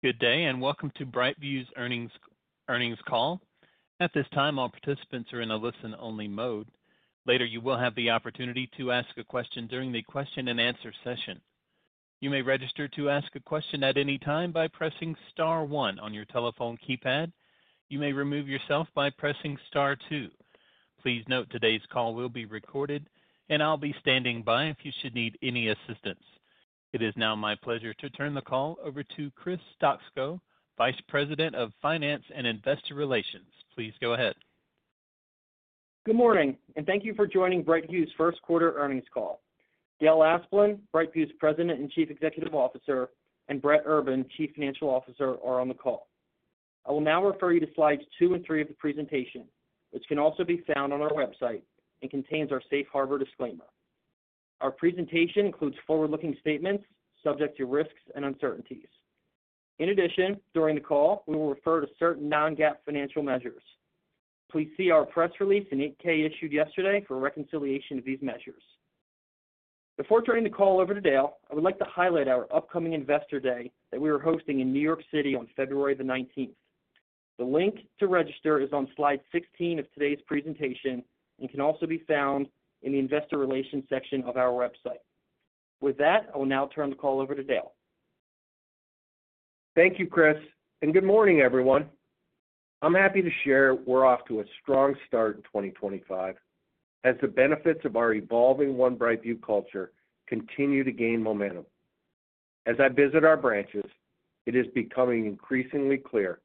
Good day, and welcome to BrightView's Earnings Call. At this time, all participants are in a listen-only mode. Later, you will have the opportunity to ask a question during the question-and-answer session. You may register to ask a question at any time by pressing Star 1 on your telephone keypad. You may remove yourself by pressing Star 2. Please note today's call will be recorded, and I'll be standing by if you should need any assistance. It is now my pleasure to turn the call over to Chris Stoczko, Vice President of Finance and Investor Relations. Please go ahead. Good morning, and thank you for joining BrightView's first quarter earnings call. Dale Asplund, BrightView's President and Chief Executive Officer, and Brett Urban, Chief Financial Officer, are on the call. I will now refer you to slides two and three of the presentation, which can also be found on our website and contains our Safe Harbor disclaimer. Our presentation includes forward-looking statements subject to risks and uncertainties. In addition, during the call, we will refer to certain non-GAAP financial measures. Please see our press release in 8-K issued yesterday for reconciliation of these measures. Before turning the call over to Dale, I would like to highlight our upcoming Investor Day that we are hosting in New York City on February the 19th. The link to register is on slide 16 of today's presentation and can also be found in the Investor Relations section of our website. With that, I will now turn the call over to Dale. Thank you, Chris, and good morning, everyone. I'm happy to share we're off to a strong start in 2025 as the benefits of our evolving One BrightView culture continue to gain momentum. As I visit our branches, it is becoming increasingly clear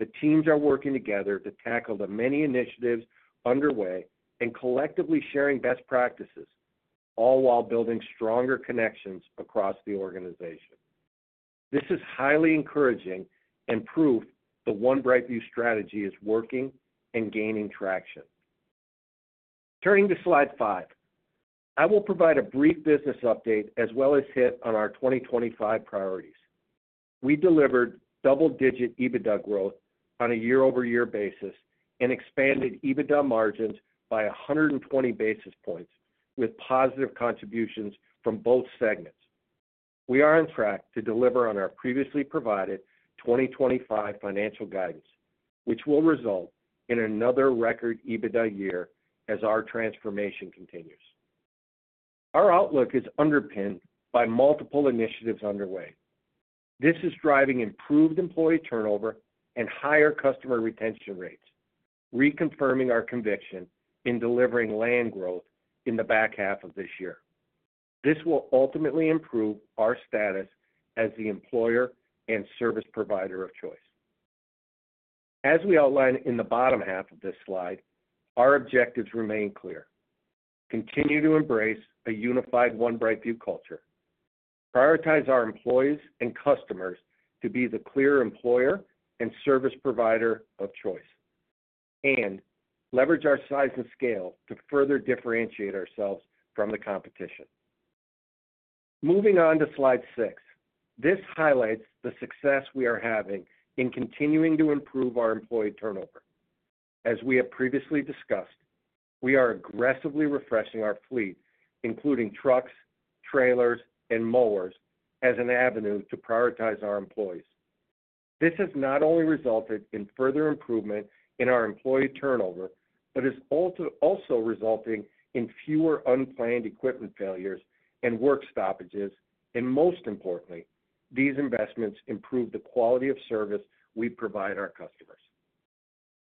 the teams are working together to tackle the many initiatives underway and collectively sharing best practices, all while building stronger connections across the organization. This is highly encouraging and proof the One BrightView strategy is working and gaining traction. Turning to Slide 5, I will provide a brief business update as well as hit on our 2025 priorities. We delivered double-digit EBITDA growth on a year-over-year basis and expanded EBITDA margins by 120 basis points with positive contributions from both segments. We are on track to deliver on our previously provided 2025 financial guidance, which will result in another record EBITDA year as our transformation continues. Our outlook is underpinned by multiple initiatives underway. This is driving improved employee turnover and higher customer retention rates, reconfirming our conviction in delivering land growth in the back half of this year. This will ultimately improve our status as the employer and service provider of choice. As we outline in the bottom half of this slide, our objectives remain clear: continue to embrace a unified One BrightView culture, prioritize our employees and customers to be the clear employer and service provider of choice, and leverage our size and scale to further differentiate ourselves from the competition. Moving on to Slide 6, this highlights the success we are having in continuing to improve our employee turnover. As we have previously discussed, we are aggressively refreshing our fleet, including trucks, trailers, and mowers, as an avenue to prioritize our employees. This has not only resulted in further improvement in our employee turnover, but is also resulting in fewer unplanned equipment failures and work stoppages. And most importantly, these investments improve the quality of service we provide our customers.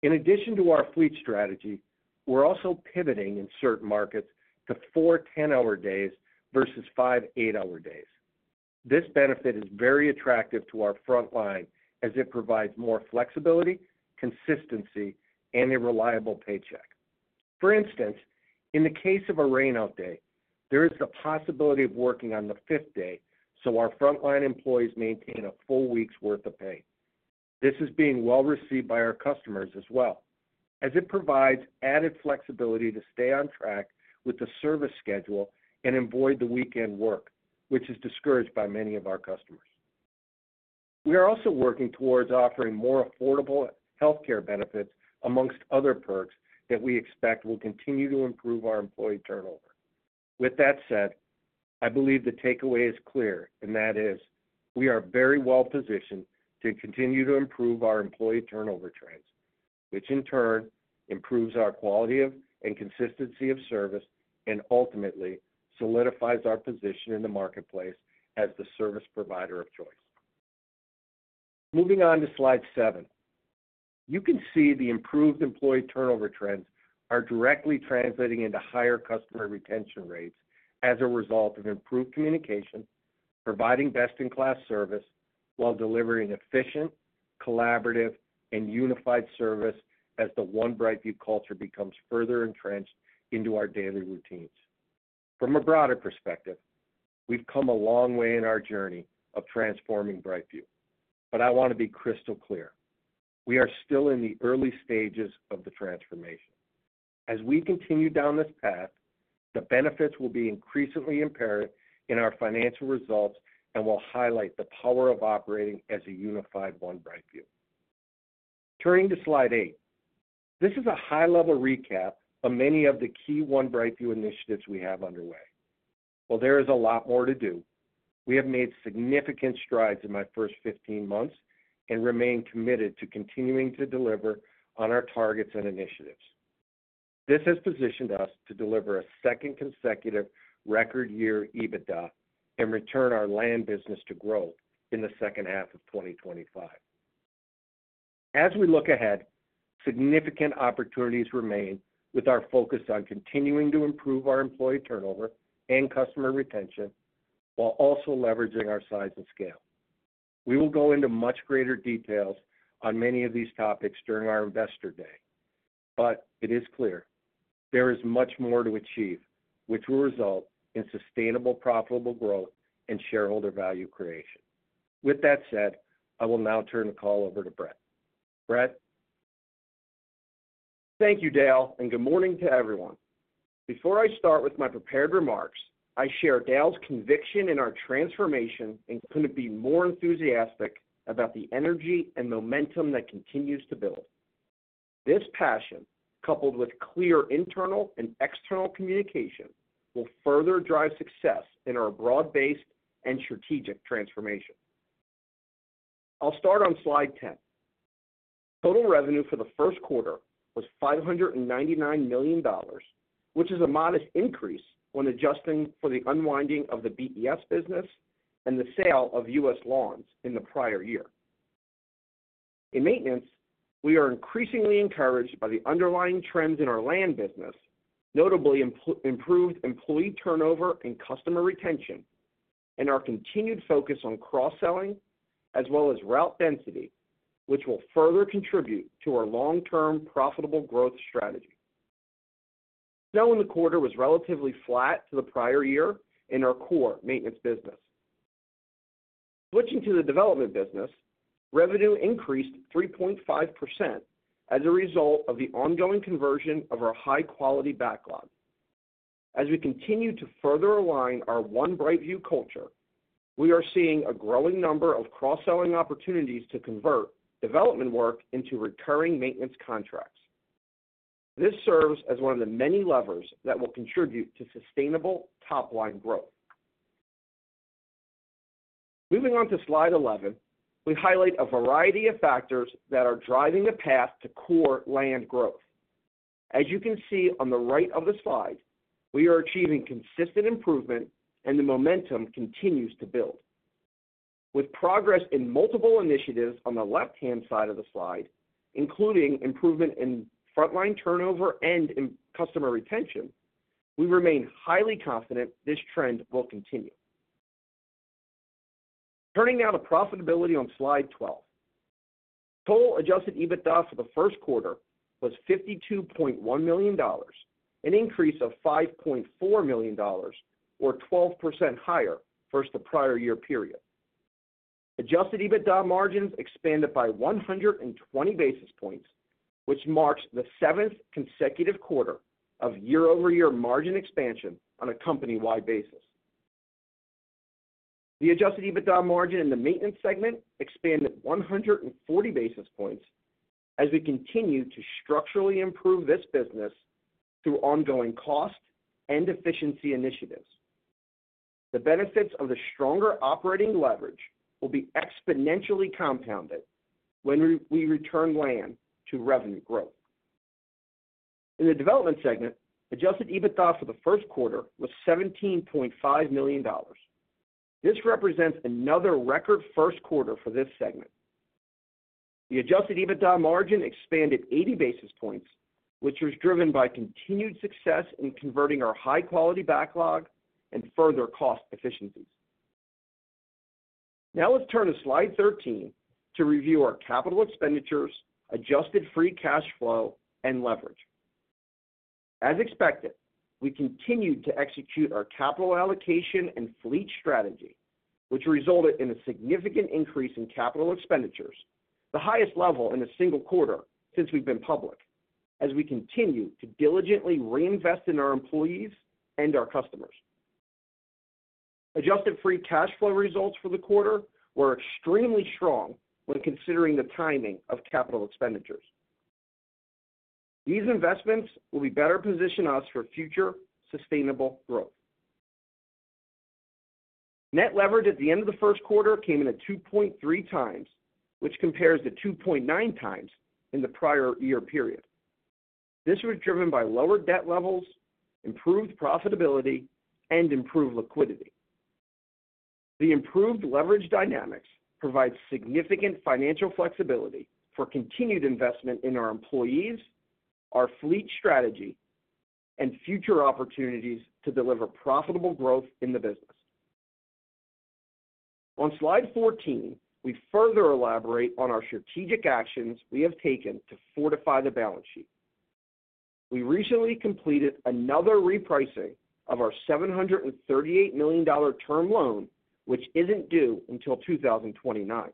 In addition to our fleet strategy, we're also pivoting in certain markets to four 10-hour days versus five 8-hour days. This benefit is very attractive to our front line as it provides more flexibility, consistency, and a reliable paycheck. For instance, in the case of a rain-out day, there is the possibility of working on the fifth day so our front line employees maintain a full week's worth of pay. This is being well received by our customers as well, as it provides added flexibility to stay on track with the service schedule and avoid the weekend work, which is discouraged by many of our customers. We are also working toward offering more affordable healthcare benefits among other perks that we expect will continue to improve our employee turnover. With that said, I believe the takeaway is clear, and that is we are very well positioned to continue to improve our employee turnover trends, which in turn improves our quality of and consistency of service and ultimately solidifies our position in the marketplace as the service provider of choice. Moving on to Slide 7, you can see the improved employee turnover trends are directly translating into higher customer retention rates as a result of improved communication, providing best-in-class service while delivering efficient, collaborative, and unified service as the One BrightView culture becomes further entrenched into our daily routines. From a broader perspective, we've come a long way in our journey of transforming BrightView, but I want to be crystal clear: we are still in the early stages of the transformation. As we continue down this path, the benefits will be increasingly apparent in our financial results and will highlight the power of operating as a unified One BrightView. Turning to slide eight, this is a high-level recap of many of the key One BrightView initiatives we have underway. While there is a lot more to do, we have made significant strides in my first 15 months and remain committed to continuing to deliver on our targets and initiatives. This has positioned us to deliver a second consecutive record year EBITDA and return our land business to growth in the second half of 2025. As we look ahead, significant opportunities remain with our focus on continuing to improve our employee turnover and customer retention while also leveraging our size and scale. We will go into much greater details on many of these topics during our Investor Day, but it is clear there is much more to achieve, which will result in sustainable, profitable growth and shareholder value creation. With that said, I will now turn the call over to Brett. Brett. Thank you, Dale, and good morning to everyone. Before I start with my prepared remarks, I share Dale's conviction in our transformation and couldn't be more enthusiastic about the energy and momentum that continues to build. This passion, coupled with clear internal and external communication, will further drive success in our broad-based and strategic transformation. I'll start on Slide 10. Total revenue for the first quarter was $599 million, which is a modest increase when adjusting for the unwinding of the BES business and the sale of U.S. Lawns in the prior year. In maintenance, we are increasingly encouraged by the underlying trends in our land business, notably improved employee turnover and customer retention, and our continued focus on cross-selling as well as route density, which will further contribute to our long-term profitable growth strategy. Snow in the quarter was relatively flat to the prior year in our core maintenance business. Switching to the development business, revenue increased 3.5% as a result of the ongoing conversion of our high-quality backlog. As we continue to further align our One BrightView culture, we are seeing a growing number of cross-selling opportunities to convert development work into recurring maintenance contracts. This serves as one of the many levers that will contribute to sustainable top-line growth. Moving on to Slide 11, we highlight a variety of factors that are driving the path to core landscape growth. As you can see on the right of the slide, we are achieving consistent improvement, and the momentum continues to build. With progress in multiple initiatives on the left-hand side of the slide, including improvement in front-line turnover and customer retention, we remain highly confident this trend will continue. Turning now to profitability on Slide 12, total adjusted EBITDA for the first quarter was $52.1 million, an increase of $5.4 million, or 12% higher versus the prior year period. Adjusted EBITDA margins expanded by 120 basis points, which marks the seventh consecutive quarter of year-over-year margin expansion on a company-wide basis. The adjusted EBITDA margin in the maintenance segment expanded 140 basis points as we continue to structurally improve this business through ongoing cost and efficiency initiatives. The benefits of the stronger operating leverage will be exponentially compounded when we return land to revenue growth. In the development segment, adjusted EBITDA for the first quarter was $17.5 million. This represents another record first quarter for this segment. The adjusted EBITDA margin expanded 80 basis points, which was driven by continued success in converting our high-quality backlog and further cost efficiencies. Now let's turn to Slide 13 to review our capital expenditures, adjusted free cash flow, and leverage. As expected, we continued to execute our capital allocation and fleet strategy, which resulted in a significant increase in capital expenditures, the highest level in a single quarter since we've been public, as we continue to diligently reinvest in our employees and our customers. Adjusted free cash flow results for the quarter were extremely strong when considering the timing of capital expenditures. These investments will better position us for future sustainable growth. Net leverage at the end of the first quarter came in at 2.3x, which compares to 2.9x in the prior year period. This was driven by lower debt levels, improved profitability, and improved liquidity. The improved leverage dynamics provide significant financial flexibility for continued investment in our employees, our fleet strategy, and future opportunities to deliver profitable growth in the business. On Slide 14, we further elaborate on our strategic actions that we have taken to fortify the balance sheet. We recently completed another repricing of our $738 million term loan, which isn't due until 2029.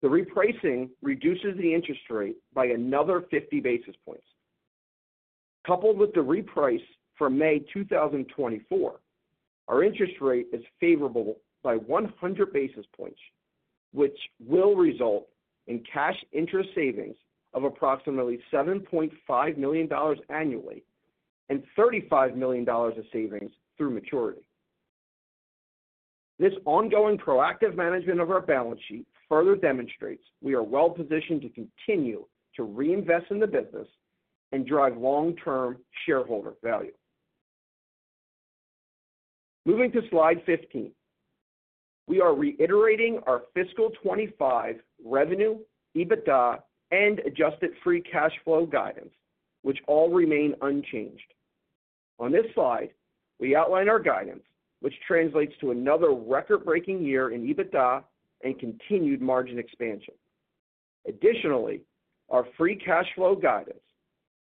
The repricing reduces the interest rate by another 50 basis points. Coupled with the reprice for May 2024, our interest rate is favorable by 100 basis points, which will result in cash interest savings of approximately $7.5 million annually and $35 million of savings through maturity. This ongoing proactive management of our balance sheet further demonstrates we are well positioned to continue to reinvest in the business and drive long-term shareholder value. Moving to Slide 15, we are reiterating our fiscal 2025 revenue, EBITDA, and adjusted free cash flow guidance, which all remain unchanged. On this slide, we outline our guidance, which translates to another record-breaking year in EBITDA and continued margin expansion. Additionally, our free cash flow guidance,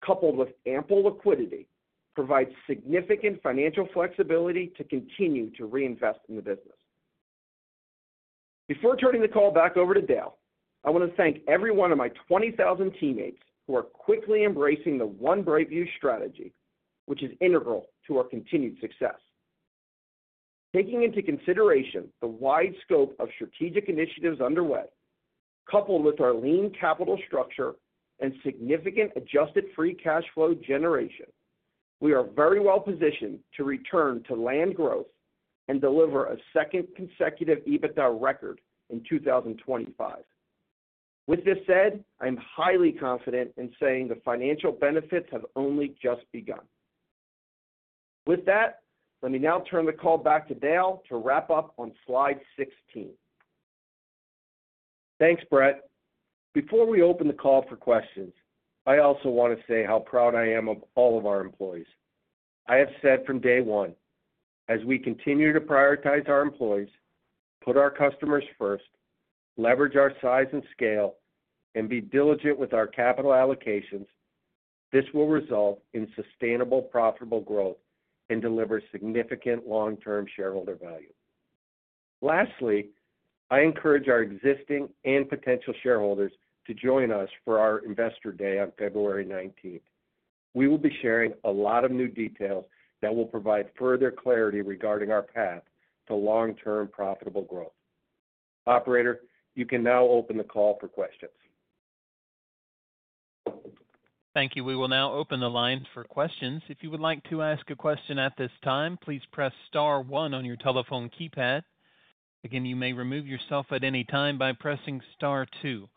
coupled with ample liquidity, provides significant financial flexibility to continue to reinvest in the business. Before turning the call back over to Dale, I want to thank every one of my 20,000 teammates who are quickly embracing the One BrightView strategy, which is integral to our continued success. Taking into consideration the wide scope of strategic initiatives underway, coupled with our lean capital structure and significant adjusted free cash flow generation, we are very well positioned to return to land growth and deliver a second consecutive EBITDA record in 2025. With this said, I am highly confident in saying the financial benefits have only just begun. With that, let me now turn the call back to Dale to wrap up on Slide 16. Thanks, Brett. Before we open the call for questions, I also want to say how proud I am of all of our employees. I have said from day one, as we continue to prioritize our employees, put our customers first, leverage our size and scale, and be diligent with our capital allocations, this will result in sustainable, profitable growth and deliver significant long-term shareholder value. Lastly, I encourage our existing and potential shareholders to join us for our Investor Day on February 19th. We will be sharing a lot of new details that will provide further clarity regarding our path to long-term profitable growth. Operator, you can now open the call for questions. Thank you. We will now open the line for questions. If you would like to ask a question at this time, please press star one on your telephone keypad. Again, you may remove yourself at any time by pressing star two.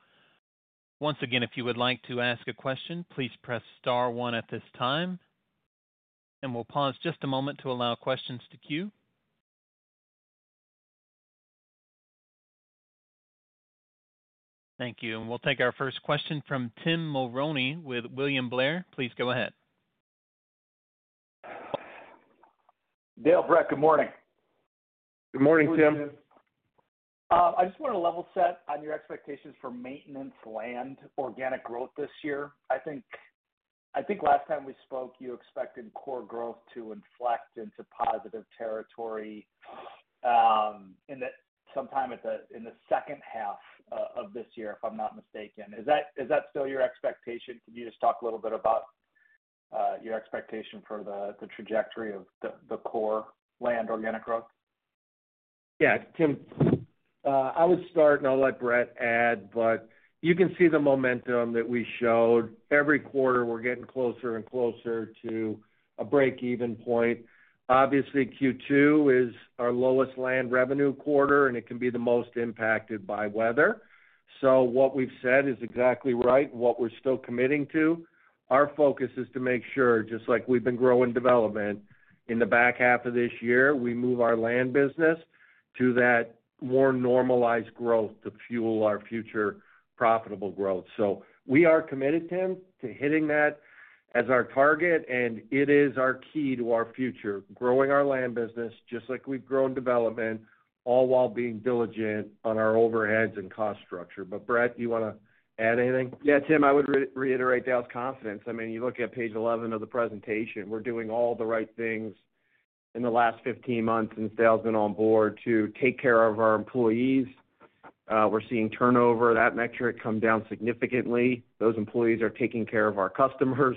Once again, if you would like to ask a question, please press star one at this time. We'll pause just a moment to allow questions to queue. Thank you. We'll take our first question from Tim Mulrooney with William Blair. Please go ahead. Dale, Brett, good morning. Good morning, Tim. I just want to level set on your expectations for maintenance landscape organic growth this year. I think last time we spoke, you expected core growth to inflect into positive territory sometime in the second half of this year, if I'm not mistaken. Is that still your expectation? Can you just talk a little bit about your expectation for the trajectory of the core landscape organic growth? Yeah. Tim, I would start and I'll let Brett add, but you can see the momentum that we showed. Every quarter, we're getting closer and closer to a break-even point. Obviously, Q2 is our lowest landscape revenue quarter, and it can be the most impacted by weather. So what we've said is exactly right, what we're still committing to. Our focus is to make sure, just like we've been growing development in the back half of this year, we move our land business to that more normalized growth to fuel our future profitable growth. So we are committed, Tim, to hitting that as our target, and it is our key to our future, growing our land business just like we've grown development, all while being diligent on our overheads and cost structure. But Brett, do you want to add anything? Yeah, Tim, I would reiterate Dale's confidence. I mean, you look at page 11 of the presentation, we're doing all the right things in the last 15 months since Dale's been on board to take care of our employees. We're seeing turnover, that metric come down significantly. Those employees are taking care of our customers.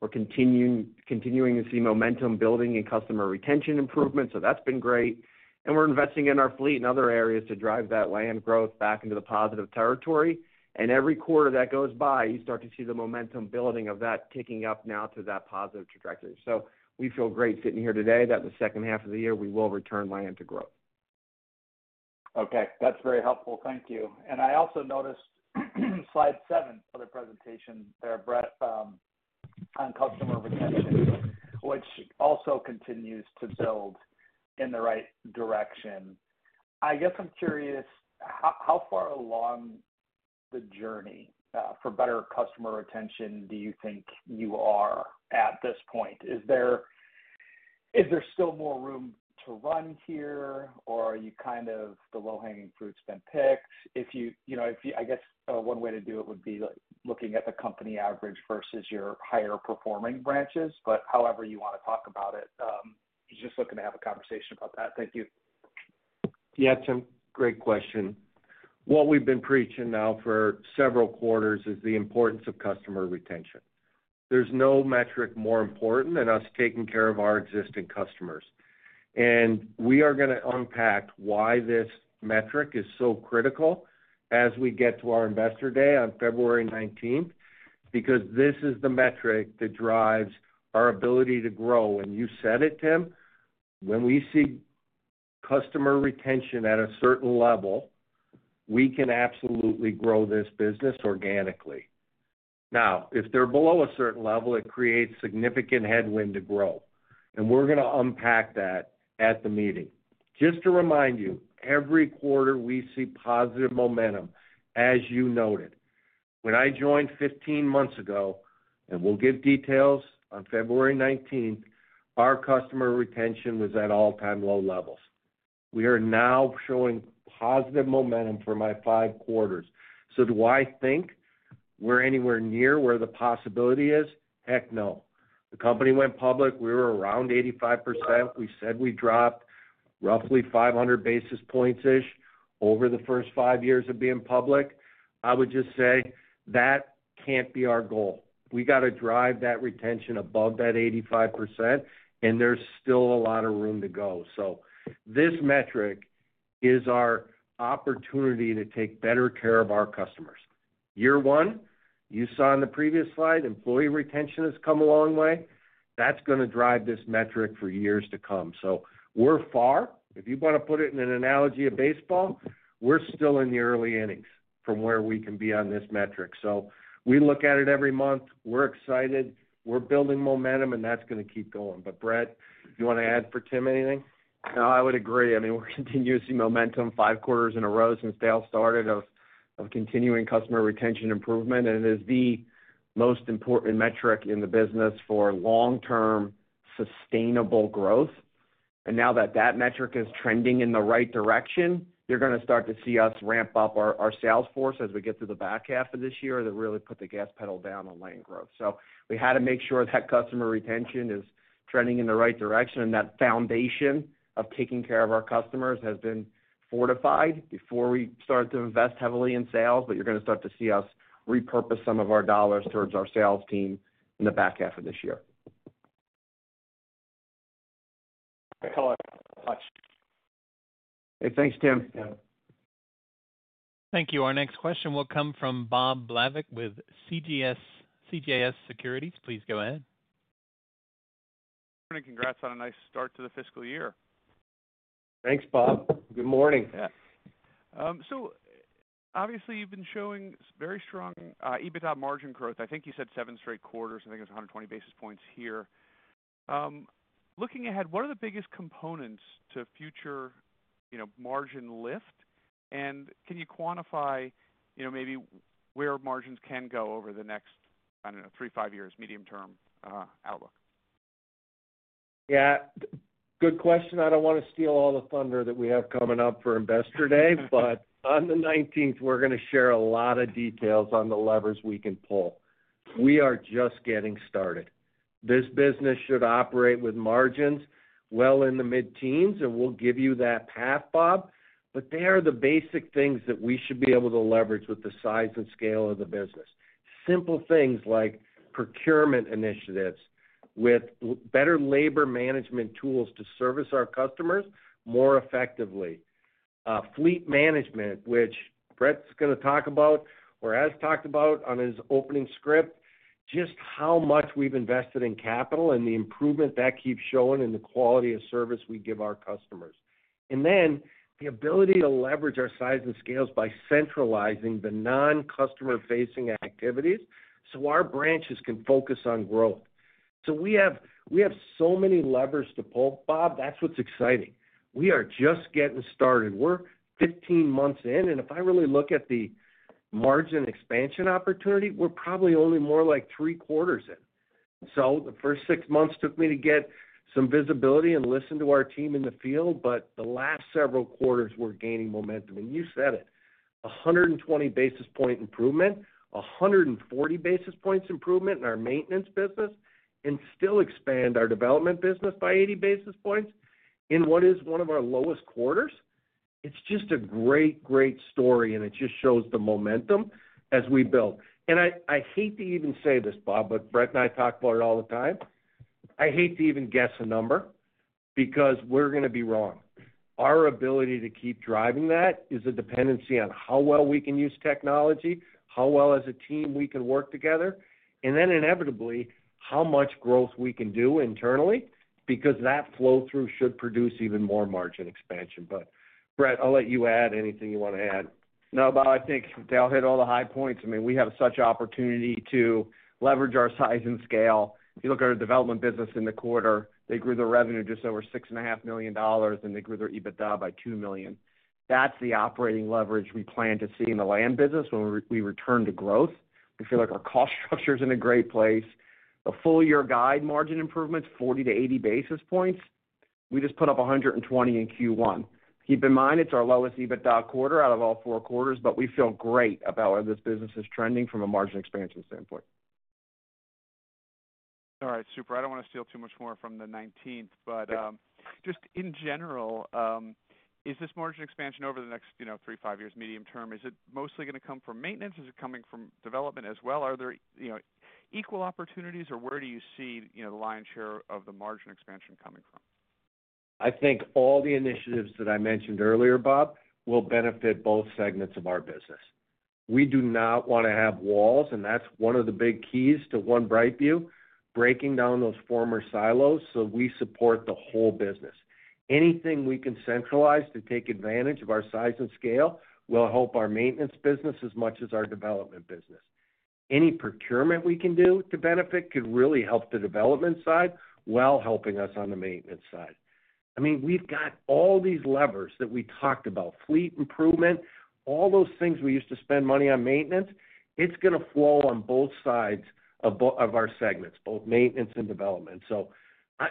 We're continuing to see momentum building and customer retention improvement. So that's been great. And we're investing in our fleet and other areas to drive that land growth back into the positive territory. And every quarter that goes by, you start to see the momentum building of that ticking up now to that positive trajectory. So we feel great sitting here today that the second half of the year, we will return land to growth. Okay. That's very helpful. Thank you. And I also noticed Slide 7 of the presentation there, Brett, on customer retention, which also continues to build in the right direction. I guess I'm curious, how far along the journey for better customer retention do you think you are at this point? Is there still more room to run here, or are you kind of the low-hanging fruit's been picked? I guess one way to do it would be looking at the company average versus your higher-performing branches, but however you want to talk about it. Just looking to have a conversation about that. Thank you. Yeah, Tim, great question. What we've been preaching now for several quarters is the importance of customer retention. There's no metric more important than us taking care of our existing customers. And we are going to unpack why this metric is so critical as we get to our Investor Day on February 19th, because this is the metric that drives our ability to grow. And you said it, Tim. When we see customer retention at a certain level, we can absolutely grow this business organically. Now, if they're below a certain level, it creates significant headwind to grow. And we're going to unpack that at the meeting. Just to remind you, every quarter we see positive momentum, as you noted. When I joined 15 months ago, and we'll give details on February 19th, our customer retention was at all-time low levels. We are now showing positive momentum for my five quarters. So do I think we're anywhere near where the possibility is? Heck no. The company went public. We were around 85%. We said we dropped roughly 500 basis points-ish over the first five years of being public. I would just say that can't be our goal. We got to drive that retention above that 85%, and there's still a lot of room to go. So this metric is our opportunity to take better care of our customers. Year one, you saw in the previous slide, employee retention has come a long way. That's going to drive this metric for years to come. So we're far. If you want to put it in an analogy of baseball, we're still in the early innings from where we can be on this metric, so we look at it every month. We're excited. We're building momentum, and that's going to keep going. But Brett, do you want to add for Tim anything? No, I would agree. I mean, we're continuing momentum five quarters in a row since Dale started, of continuing customer retention improvement, and it is the most important metric in the business for long-term sustainable growth, and now that that metric is trending in the right direction, you're going to start to see us ramp up our sales force as we get to the back half of this year that really put the gas pedal down on land growth, so we had to make sure that customer retention is trending in the right direction. And that foundation of taking care of our customers has been fortified before we started to invest heavily in sales. But you're going to start to see us repurpose some of our dollars towards our sales team in the back half of this year. Thanks, Tim. Thank you. Our next question will come from Bob Labick with CJS Securities. Please go ahead. Good morning. Congrats on a nice start to the fiscal year. Thanks, Bob. Good morning. So obviously, you've been showing very strong EBITDA margin growth. I think you said seven straight quarters. I think it was 120 basis points here. Looking ahead, what are the biggest components to future margin lift? And can you quantify maybe where margins can go over the next, I don't know, three, five years, medium-term outlook? Yeah. Good question. I don't want to steal all the thunder that we have coming up for Investor Day, but on the 19th, we're going to share a lot of details on the levers we can pull. We are just getting started. This business should operate with margins well in the mid-teens, and we'll give you that path, Bob. But they are the basic things that we should be able to leverage with the size and scale of the business. Simple things like procurement initiatives with better labor management tools to service our customers more effectively. Fleet management, which Brett's going to talk about or has talked about on his opening script, just how much we've invested in capital and the improvement that keeps showing in the quality of service we give our customers. And then the ability to leverage our size and scale by centralizing the non-customer-facing activities so our branches can focus on growth. So we have so many levers to pull. Bob, that's what's exciting. We are just getting started. We're 15 months in. And if I really look at the margin expansion opportunity, we're probably only more like three quarters in. So the first six months took me to get some visibility and listen to our team in the field. But the last several quarters, we're gaining momentum. And you said it, 120 basis point improvement, 140 basis points improvement in our maintenance business, and still expand our development business by 80 basis points in what is one of our lowest quarters. It's just a great, great story, and it just shows the momentum as we build. I hate to even say this, Bob, but Brett and I talk about it all the time. I hate to even guess a number because we're going to be wrong. Our ability to keep driving that is a dependency on how well we can use technology, how well as a team we can work together, and then inevitably how much growth we can do internally because that flow-through should produce even more margin expansion. Brett, I'll let you add anything you want to add. No, Bob, I think Dale hit all the high points. I mean, we have such opportunity to leverage our size and scale. If you look at our development business in the quarter, they grew their revenue just over $6.5 million, and they grew their EBITDA by $2 million. That's the operating leverage we plan to see in the land business when we return to growth. We feel like our cost structure is in a great place. The full-year guide margin improvements, 40-80 basis points. We just put up 120 in Q1. Keep in mind, it's our lowest EBITDA quarter out of all four quarters, but we feel great about where this business is trending from a margin expansion standpoint. All right. Super. I don't want to steal too much more from the 19th, but just in general, is this margin expansion over the next three, five years, medium-term, is it mostly going to come from maintenance? Is it coming from development as well? Are there equal opportunities, or where do you see the lion's share of the margin expansion coming from? I think all the initiatives that I mentioned earlier, Bob, will benefit both segments of our business. We do not want to have walls, and that's one of the big keys to One BrightView, breaking down those former silos so we support the whole business. Anything we can centralize to take advantage of our size and scale will help our maintenance business as much as our development business. Any procurement we can do to benefit could really help the development side while helping us on the maintenance side. I mean, we've got all these levers that we talked about, fleet improvement, all those things we used to spend money on maintenance, it's going to flow on both sides of our segments, both maintenance and development.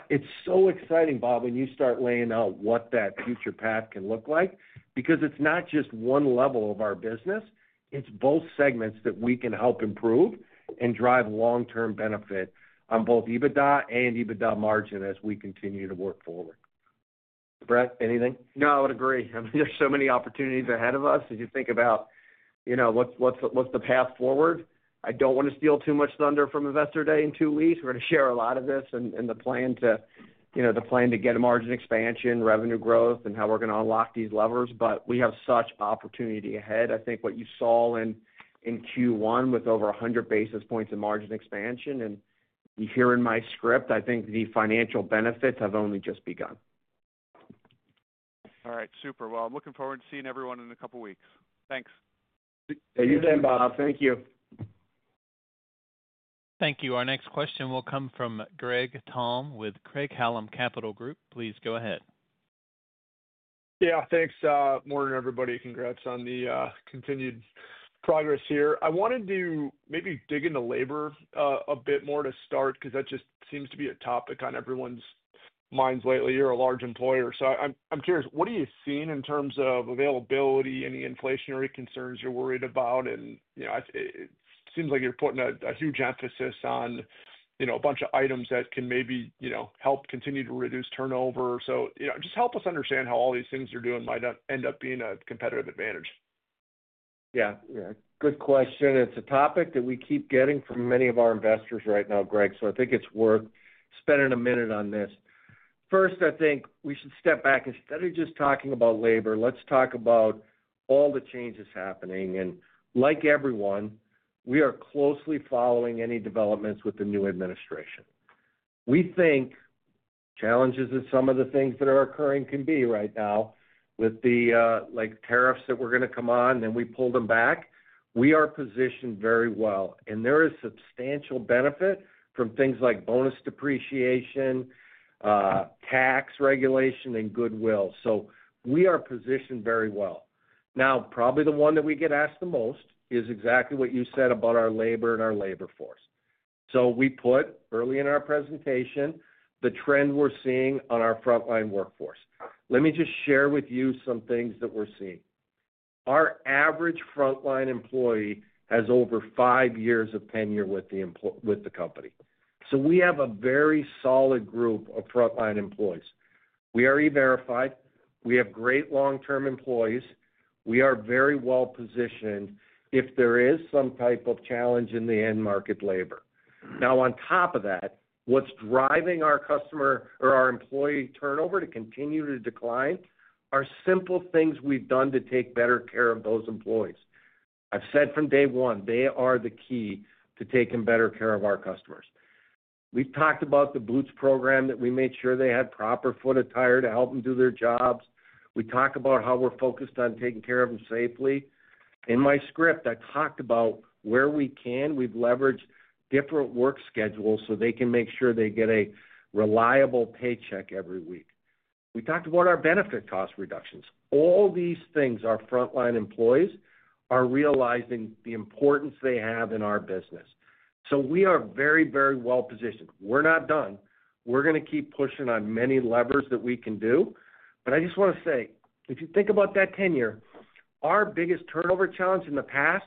It's so exciting, Bob, when you start laying out what that future path can look like because it's not just one level of our business. It's both segments that we can help improve and drive long-term benefit on both EBITDA and EBITDA margin as we continue to work forward. Brett, anything? No, I would agree. I mean, there's so many opportunities ahead of us. As you think about what's the path forward, I don't want to steal too much thunder from Investor Day in two weeks. We're going to share a lot of this and the plan to get a margin expansion, revenue growth, and how we're going to unlock these levers. But we have such opportunity ahead. I think what you saw in Q1 with over 100 basis points of margin expansion, and you hear in my script, I think the financial benefits have only just begun. All right. Super. Well, I'm looking forward to seeing everyone in a couple of weeks. Thanks. You too, Bob. Thank you. Thank you. Our next question will come from Greg Palm with Craig-Hallum Capital Group. Please go ahead. Yeah. Thanks, Morgan, everybody. Congrats on the continued progress here. I wanted to maybe dig into labor a bit more to start because that just seems to be a topic on everyone's minds lately. You're a large employer. So I'm curious, what are you seeing in terms of availability, any inflationary concerns you're worried about? And it seems like you're putting a huge emphasis on a bunch of items that can maybe help continue to reduce turnover. So just help us understand how all these things you're doing might end up being a competitive advantage. Yeah. Yeah. Good question. It's a topic that we keep getting from many of our investors right now, Greg, so I think it's worth spending a minute on this. First, I think we should step back. Instead of just talking about labor, let's talk about all the changes happening, and like everyone, we are closely following any developments with the new administration. We think challenges in some of the things that are occurring can be right now with the tariffs that we're going to come on, and we pull them back. We are positioned very well, and there is substantial benefit from things like bonus depreciation, tax regulation, and goodwill, so we are positioned very well. Now, probably the one that we get asked the most is exactly what you said about our labor and our labor force, so we put early in our presentation the trend we're seeing on our frontline workforce. Let me just share with you some things that we're seeing. Our average frontline employee has over five years of tenure with the company. So we have a very solid group of frontline employees. We are E-Verify. We have great long-term employees. We are very well positioned if there is some type of challenge in the end market labor. Now, on top of that, what's driving our customer or our employee turnover to continue to decline are simple things we've done to take better care of those employees. I've said from day one, they are the key to taking better care of our customers. We've talked about the boots program that we made sure they had proper foot attire to help them do their jobs. We talk about how we're focused on taking care of them safely. In my script, I talked about where we can, we've leveraged different work schedules so they can make sure they get a reliable paycheck every week. We talked about our benefit cost reductions. All these things, our frontline employees are realizing the importance they have in our business. So we are very, very well positioned. We're not done. We're going to keep pushing on many levers that we can do. But I just want to say, if you think about that tenure, our biggest turnover challenge in the past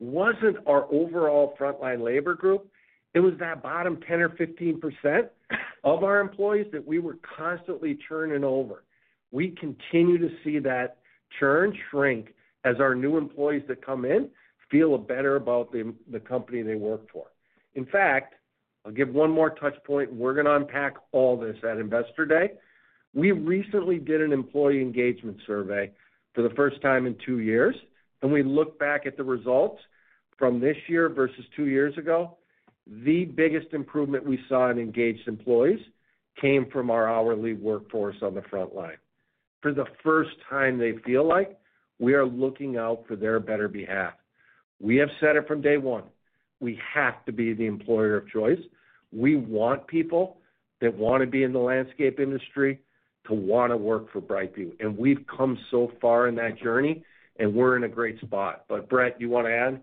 wasn't our overall frontline labor group. It was that bottom 10 or 15% of our employees that we were constantly churning over. We continue to see that churn shrink as our new employees that come in feel better about the company they work for. In fact, I'll give one more touchpoint. We're going to unpack all this at Investor Day. We recently did an employee engagement survey for the first time in two years. We looked back at the results from this year versus two years ago. The biggest improvement we saw in engaged employees came from our hourly workforce on the frontline. For the first time, they feel like we are looking out for their better behalf. We have said it from day one. We have to be the employer of choice. We want people that want to be in the landscape industry to want to work for BrightView. We've come so far in that journey, and we're in a great spot. Brett, you want to add?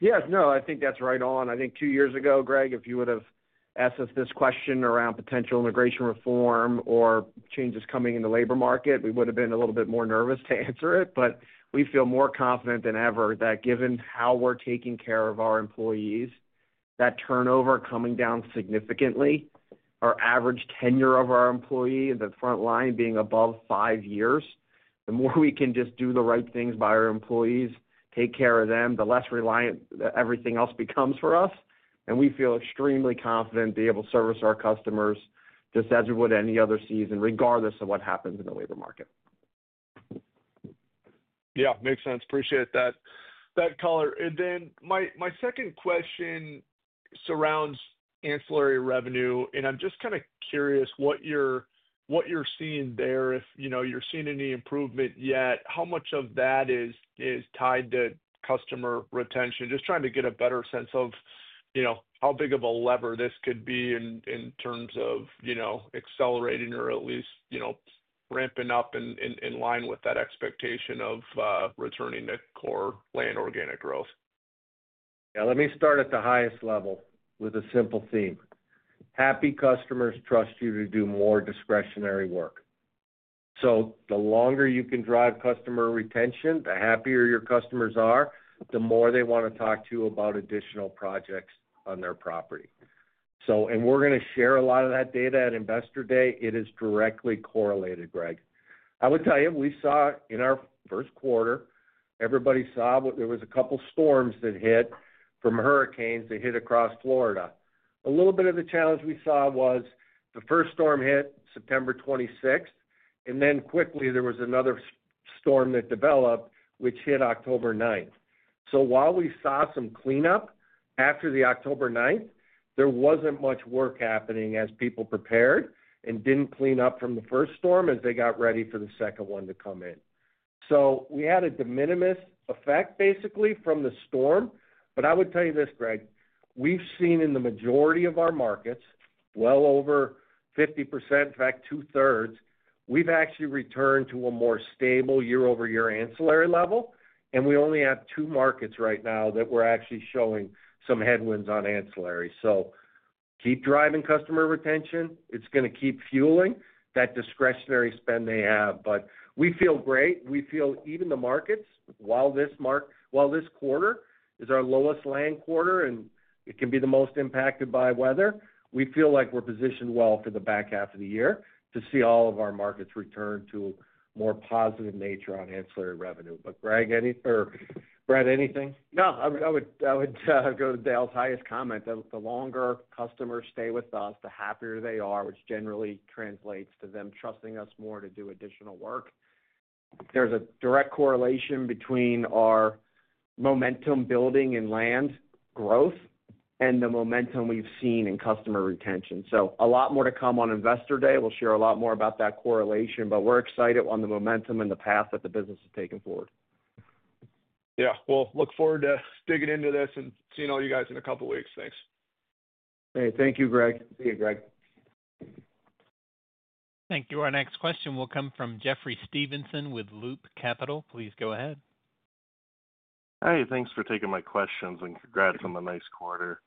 Yes. No, I think that's right on. I think two years ago, Greg, if you would have asked us this question around potential immigration reform or changes coming in the labor market, we would have been a little bit more nervous to answer it. But we feel more confident than ever that given how we're taking care of our employees, that turnover coming down significantly, our average tenure of our employee in the frontline being above five years, the more we can just do the right things by our employees, take care of them, the less reliant everything else becomes for us. And we feel extremely confident to be able to service our customers just as we would any other season, regardless of what happens in the labor market. Yeah. Makes sense. Appreciate that color. And then my second question surrounds ancillary revenue. And I'm just kind of curious what you're seeing there, if you're seeing any improvement yet. How much of that is tied to customer retention? Just trying to get a better sense of how big of a lever this could be in terms of accelerating or at least ramping up in line with that expectation of returning to core land organic growth. Yeah. Let me start at the highest level with a simple theme. Happy customers trust you to do more discretionary work. So the longer you can drive customer retention, the happier your customers are, the more they want to talk to you about additional projects on their property. And we're going to share a lot of that data at Investor Day. It is directly correlated, Greg. I would tell you, we saw in our first quarter, everybody saw there was a couple of storms that hit from hurricanes that hit across Florida. A little bit of the challenge we saw was the first storm hit September 26th. And then quickly, there was another storm that developed, which hit October 9th. So while we saw some cleanup after the October 9th, there wasn't much work happening as people prepared and didn't clean up from the first storm as they got ready for the second one to come in. So we had a de minimis effect, basically, from the storm. But I would tell you this, Greg. We've seen in the majority of our markets, well over 50%, in fact, two-thirds, we've actually returned to a more stable year-over-year ancillary level. And we only have two markets right now that we're actually showing some headwinds on ancillary. So keep driving customer retention. It's going to keep fueling that discretionary spend they have. But we feel great. We feel even the markets, while this quarter is our lowest land quarter and it can be the most impacted by weather, we feel like we're positioned well for the back half of the year to see all of our markets return to more positive nature on ancillary revenue. But Brett, anything? No, I would go to Dale's highest comment. The longer customers stay with us, the happier they are, which generally translates to them trusting us more to do additional work. There's a direct correlation between our momentum building in land growth and the momentum we've seen in customer retention. So a lot more to come on Investor Day. We'll share a lot more about that correlation. But we're excited on the momentum and the path that the business is taking forward. Yeah. Well, look forward to digging into this and seeing all you guys in a couple of weeks. Thanks. Hey, thank you, Greg. See you, Greg. Thank you. Our next question will come from Jeffrey Stevenson with Loop Capital. Please go ahead. Hey, thanks for taking my questions and congrats on the nice quarter.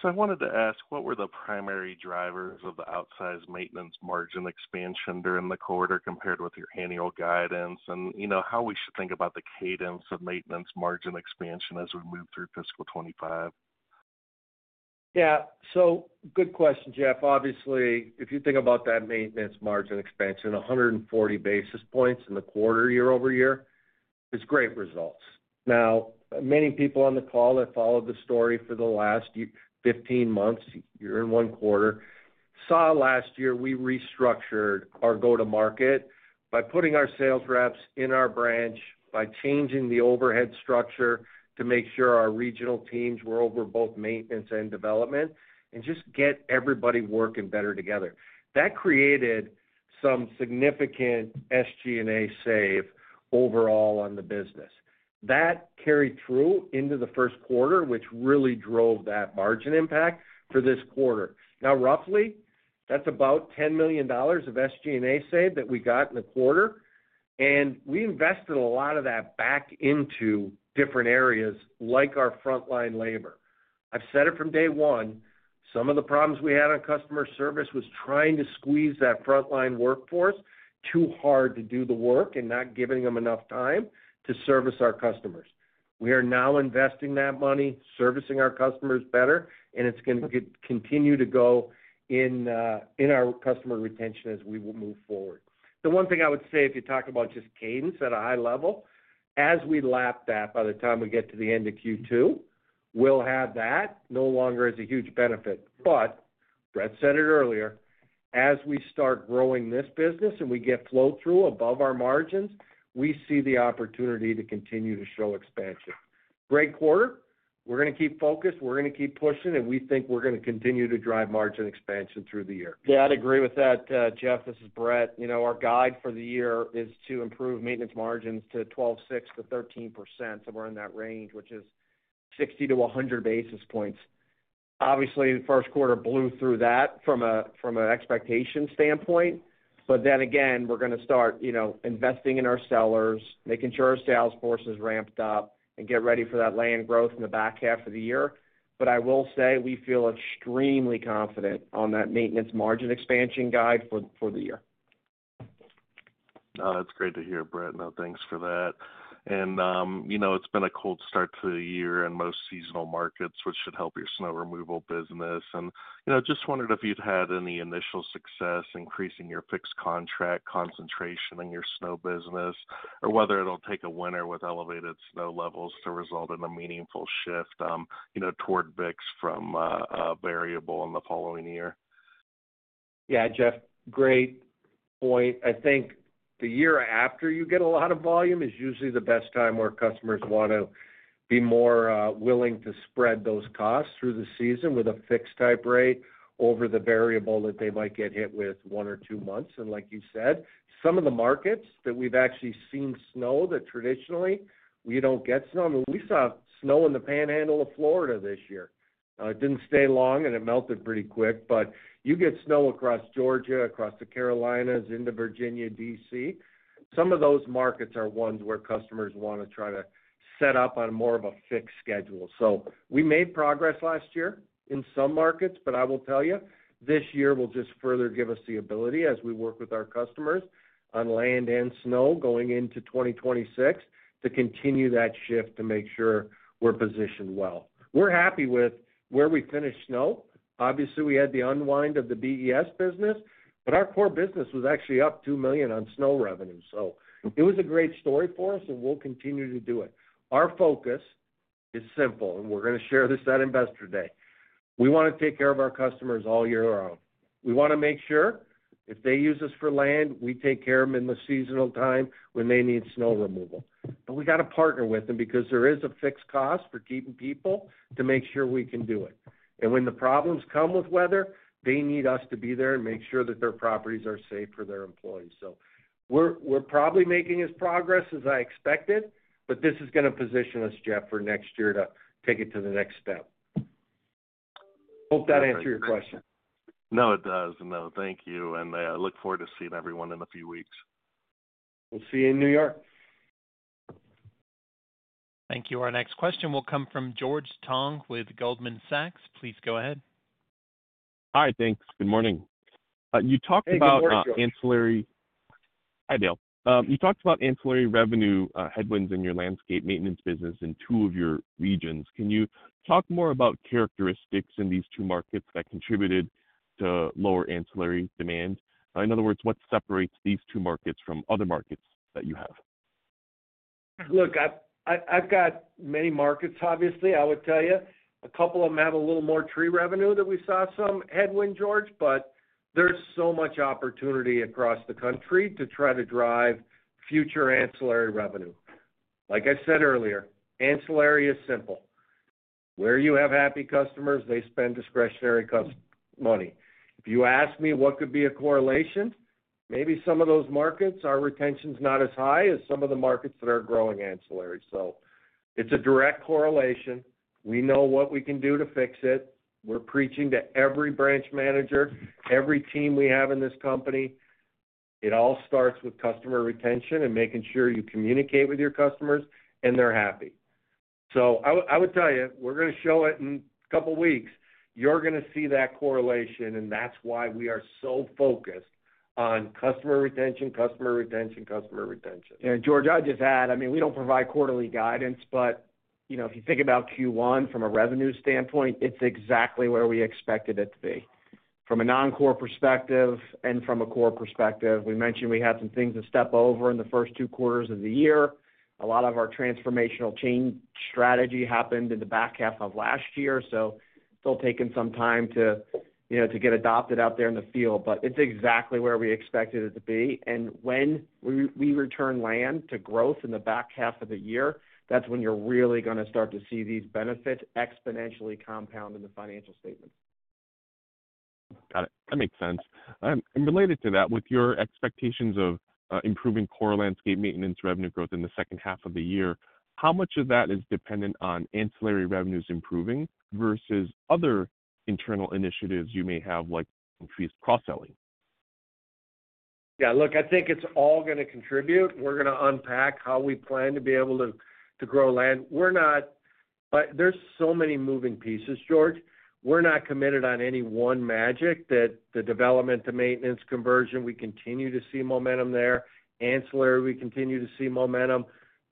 So I wanted to ask, what were the primary drivers of the outsized maintenance margin expansion during the quarter compared with your annual guidance? And how we should think about the cadence of maintenance margin expansion as we move through fiscal 2025? Yeah. So good question, Jeff. Obviously, if you think about that maintenance margin expansion, 140 basis points in the quarter year-over-year is great results. Now, many people on the call that followed the story for the last 15 months, year-and-one quarter, saw last year we restructured our go-to-market by putting our sales reps in our branch, by changing the overhead structure to make sure our regional teams were over both maintenance and development, and just get everybody working better together. That created some significant SG&A save overall on the business. That carried through into the first quarter, which really drove that margin impact for this quarter. Now, roughly, that's about $10 million of SG&A save that we got in the quarter. And we invested a lot of that back into different areas like our frontline labor. I've said it from day one. Some of the problems we had on customer service was trying to squeeze that frontline workforce too hard to do the work and not giving them enough time to service our customers. We are now investing that money, servicing our customers better, and it's going to continue to go in our customer retention as we will move forward. The one thing I would say, if you talk about just cadence at a high level, as we lap that, by the time we get to the end of Q2, we'll have that no longer as a huge benefit. But, Brett said it earlier, as we start growing this business and we get flow-through above our margins, we see the opportunity to continue to show expansion. Great quarter. We're going to keep focused. We're going to keep pushing. And we think we're going to continue to drive margin expansion through the year. Yeah. I'd agree with that, Jeff. This is Brett. Our guide for the year is to improve maintenance margins to 12.6%-13%. So we're in that range, which is 60-100 basis points. Obviously, the first quarter blew through that from an expectation standpoint. But then again, we're going to start investing in our sellers, making sure our sales force is ramped up, and get ready for that landscape growth in the back half of the year. But I will say we feel extremely confident on that maintenance margin expansion guide for the year. No, that's great to hear, Brett. No, thanks for that. And it's been a cold start to the year in most seasonal markets, which should help your snow removal business. And just wondered if you'd had any initial success increasing your fixed contract concentration in your snow business, or whether it'll take a winter with elevated snow levels to result in a meaningful shift toward fixed from variable in the following year. Yeah, Jeff, great point. I think the year after you get a lot of volume is usually the best time where customers want to be more willing to spread those costs through the season with a fixed-type rate over the variable that they might get hit with one or two months. Like you said, some of the markets that we've actually seen snow that traditionally we don't get snow. I mean, we saw snow in the Panhandle of Florida this year. It didn't stay long, and it melted pretty quick. You get snow across Georgia, across the Carolinas, into Virginia, D.C. Some of those markets are ones where customers want to try to set up on more of a fixed schedule. We made progress last year in some markets. But I will tell you, this year will just further give us the ability, as we work with our customers on land and snow going into 2026, to continue that shift to make sure we're positioned well. We're happy with where we finished snow. Obviously, we had the unwind of the BES business. But our core business was actually up $2 million on snow revenue. So it was a great story for us, and we'll continue to do it. Our focus is simple, and we're going to share this at Investor Day. We want to take care of our customers all year long. We want to make sure if they use us for land, we take care of them in the seasonal time when they need snow removal. But we got to partner with them because there is a fixed cost for keeping people to make sure we can do it, and when the problems come with weather, they need us to be there and make sure that their properties are safe for their employees, so we're probably making as progress as I expected, but this is going to position us, Jeff, for next year to take it to the next step. Hope that answered your question. No, it does. No, thank you, and I look forward to seeing everyone in a few weeks. We'll see you in New York. Thank you. Our next question will come from George Tong with Goldman Sachs. Please go ahead. Hi. Thanks. Good morning. You talked about ancillary. Hi, Dale. You talked about ancillary revenue headwinds in your landscape maintenance business in two of your regions. Can you talk more about characteristics in these two markets that contributed to lower ancillary demand? In other words, what separates these two markets from other markets that you have? Look, I've got many markets, obviously. I would tell you, a couple of them have a little more tree revenue that we saw some headwind, George. But there's so much opportunity across the country to try to drive future ancillary revenue. Like I said earlier, ancillary is simple. Where you have happy customers, they spend discretionary money. If you ask me what could be a correlation, maybe some of those markets, our retention's not as high as some of the markets that are growing ancillary. So it's a direct correlation. We know what we can do to fix it. We're preaching to every branch manager, every team we have in this company. It all starts with customer retention and making sure you communicate with your customers and they're happy, so I would tell you, we're going to show it in a couple of weeks. You're going to see that correlation. And that's why we are so focused on customer retention, customer retention, customer retention. Yeah. George, I just add, I mean, we don't provide quarterly guidance, but if you think about Q1 from a revenue standpoint, it's exactly where we expected it to be. From a non-core perspective and from a core perspective, we mentioned we had some things to step over in the first two quarters of the year. A lot of our transformational change strategy happened in the back half of last year, so it's still taken some time to get adopted out there in the field, but it's exactly where we expected it to be. And when we return landscape to growth in the back half of the year, that's when you're really going to start to see these benefits exponentially compound in the financial statements. Got it. That makes sense. And related to that, with your expectations of improving core landscape maintenance revenue growth in the second half of the year, how much of that is dependent on ancillary revenues improving versus other internal initiatives you may have, like increased cross-selling? Yeah. Look, I think it's all going to contribute. We're going to unpack how we plan to be able to grow landscape. But there's so many moving pieces, George. We're not committed on any one magic that the development to maintenance conversion. We continue to see momentum there. Ancillary, we continue to see momentum.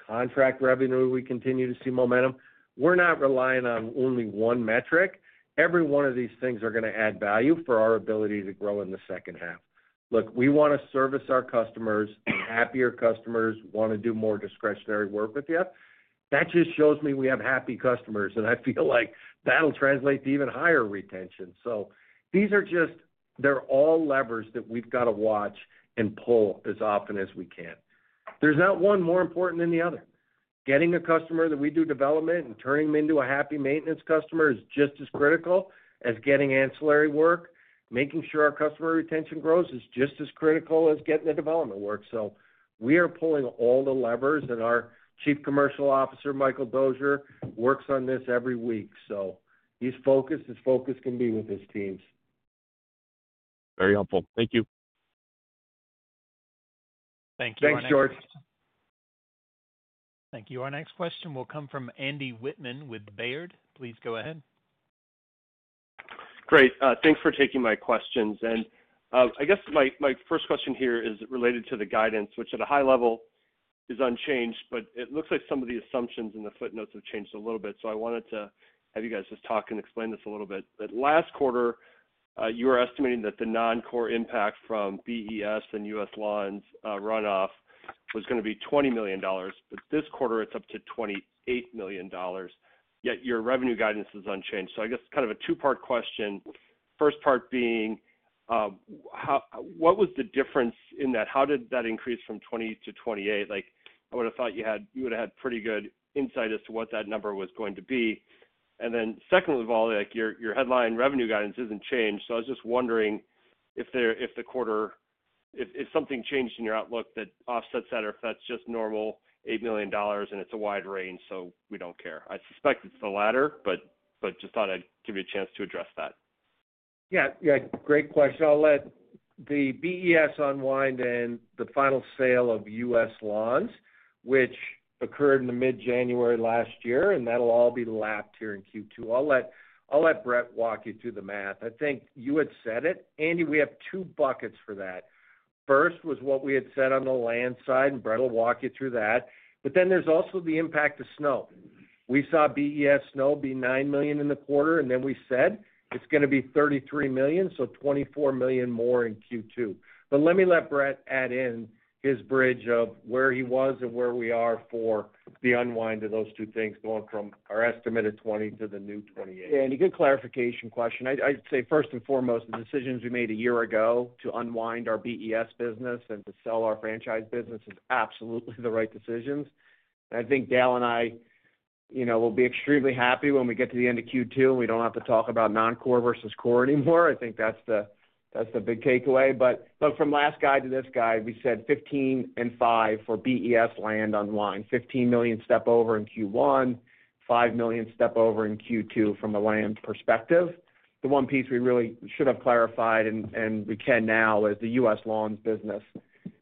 Contract revenue, we continue to see momentum. We're not relying on only one metric. Every one of these things are going to add value for our ability to grow in the second half. Look, we want to service our customers. Happier customers want to do more discretionary work with you. That just shows me we have happy customers. And I feel like that'll translate to even higher retention. So these are just they're all levers that we've got to watch and pull as often as we can. There's not one more important than the other. Getting a customer that we do development and turning them into a happy maintenance customer is just as critical as getting ancillary work. Making sure our customer retention grows is just as critical as getting the development work. So we are pulling all the levers. And our Chief Commercial Officer, Michael Dozier, works on this every week. So he's focused. His focus can be with his teams. Very helpful. Thank you. Thank you, my friend. Thanks, George. Thank you. Our next question will come from Andy Wittmann with Baird. Please go ahead. Great. Thanks for taking my questions. I guess my first question here is related to the guidance, which at a high level is unchanged. It looks like some of the assumptions in the footnotes have changed a little bit. I wanted to have you guys just talk and explain this a little bit. Last quarter, you were estimating that the non-core impact from BES and U.S. Lawns runoff was going to be $20 million. This quarter, it's up to $28 million. Yet your revenue guidance is unchanged. I guess kind of a two-part question. First part being, what was the difference in that? How did that increase from $20 million-$28 million? I would have thought you would have had pretty good insight as to what that number was going to be, and then second of all, your headline revenue guidance isn't changed. So I was just wondering if the quarter if something changed in your outlook that offsets that, or if that's just normal $8 million, and it's a wide range, so we don't care. I suspect it's the latter, but just thought I'd give you a chance to address that. Yeah. Yeah. Great question. I'll let the BES unwind and the final sale of U.S. Lawns, which occurred in mid-January last year. And that'll all be lapped here in Q2. I'll let Brett walk you through the math. I think you had said it. Andy, we have two buckets for that. First was what we had said on the land side, and Brett will walk you through that. But then there's also the impact of snow. We saw BES snow be $9 million in the quarter. And then we said it's going to be $33 million, so $24 million more in Q2. But let me let Brett add in his bridge of where he was and where we are for the unwind of those two things going from our estimate of $20 million to the new $28 million. Yeah. And a good clarification question. I'd say, first and foremost, the decisions we made a year ago to unwind our BES business and to sell our franchise business is absolutely the right decisions. And I think Dale and I will be extremely happy when we get to the end of Q2 and we don't have to talk about non-core versus core anymore. I think that's the big takeaway. But from last guide to this guide, we said $15 million and $5 million for BES land unwind. $15 million step over in Q1, $5 million step over in Q2 from a land perspective. The one piece we really should have clarified, and we can now, is the U.S. Lawns business.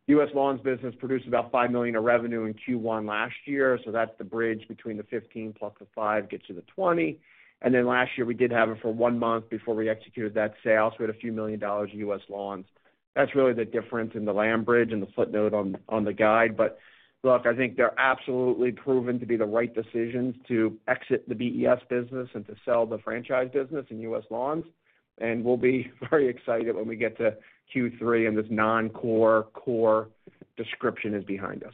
U.S. Lawns business produced about $5 million of revenue in Q1 last year. So that's the bridge between the $15 million plus the $5 million gets you to $20 million. And then last year, we did have it for one month before we executed that sale. So we had a few million dollars of U.S. Lawns. That's really the difference in the land bridge and the footnote on the guide. But look, I think they're absolutely proven to be the right decisions to exit the BES business and to sell the franchise business and U.S. Lawns. We'll be very excited when we get to Q3 and this non-core core description is behind us.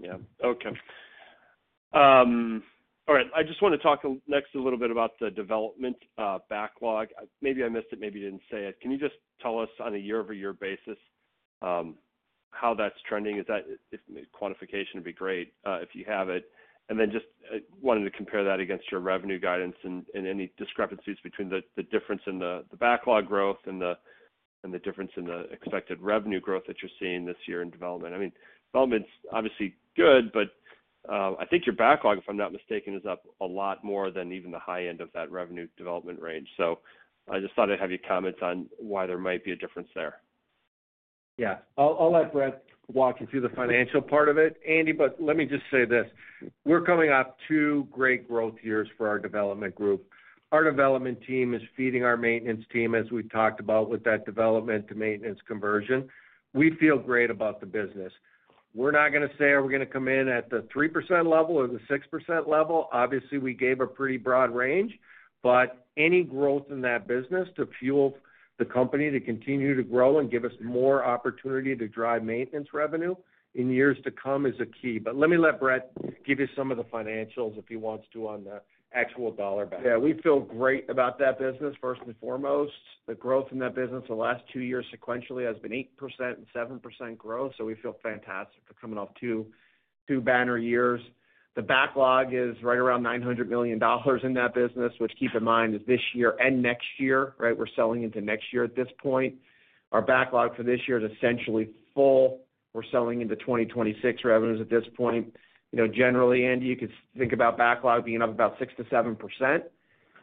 Yeah. Okay. All right. I just want to talk next a little bit about the development backlog. Maybe I missed it. Maybe I didn't say it. Can you just tell us on a year-over-year basis how that's trending? Quantification would be great if you have it and then just wanted to compare that against your revenue guidance and any discrepancies between the difference in the backlog growth and the difference in the expected revenue growth that you're seeing this year in development. I mean, development's obviously good, but I think your backlog, if I'm not mistaken, is up a lot more than even the high end of that revenue development range, so I just thought I'd have your comments on why there might be a difference there. Yeah. I'll let Brett walk you through the financial part of it. Andy, but let me just say this. We're coming off two great growth years for our development group. Our development team is feeding our maintenance team, as we talked about, with that development to maintenance conversion. We feel great about the business. We're not going to say are we going to come in at the 3% level or the 6% level. Obviously, we gave a pretty broad range. But any growth in that business to fuel the company to continue to grow and give us more opportunity to drive maintenance revenue in years to come is a key. But let me let Brett give you some of the financials if he wants to on the actual dollar backlog. Yeah. We feel great about that business. First and foremost, the growth in that business the last two years sequentially has been 8% and 7% growth. So we feel fantastic for coming off two banner years. The backlog is right around $900 million in that business, which, keep in mind, is this year and next year, right? We're selling into next year at this point. Our backlog for this year is essentially full. We're selling into 2026 revenues at this point. Generally, Andy, you could think about backlog being up about 6%-7%.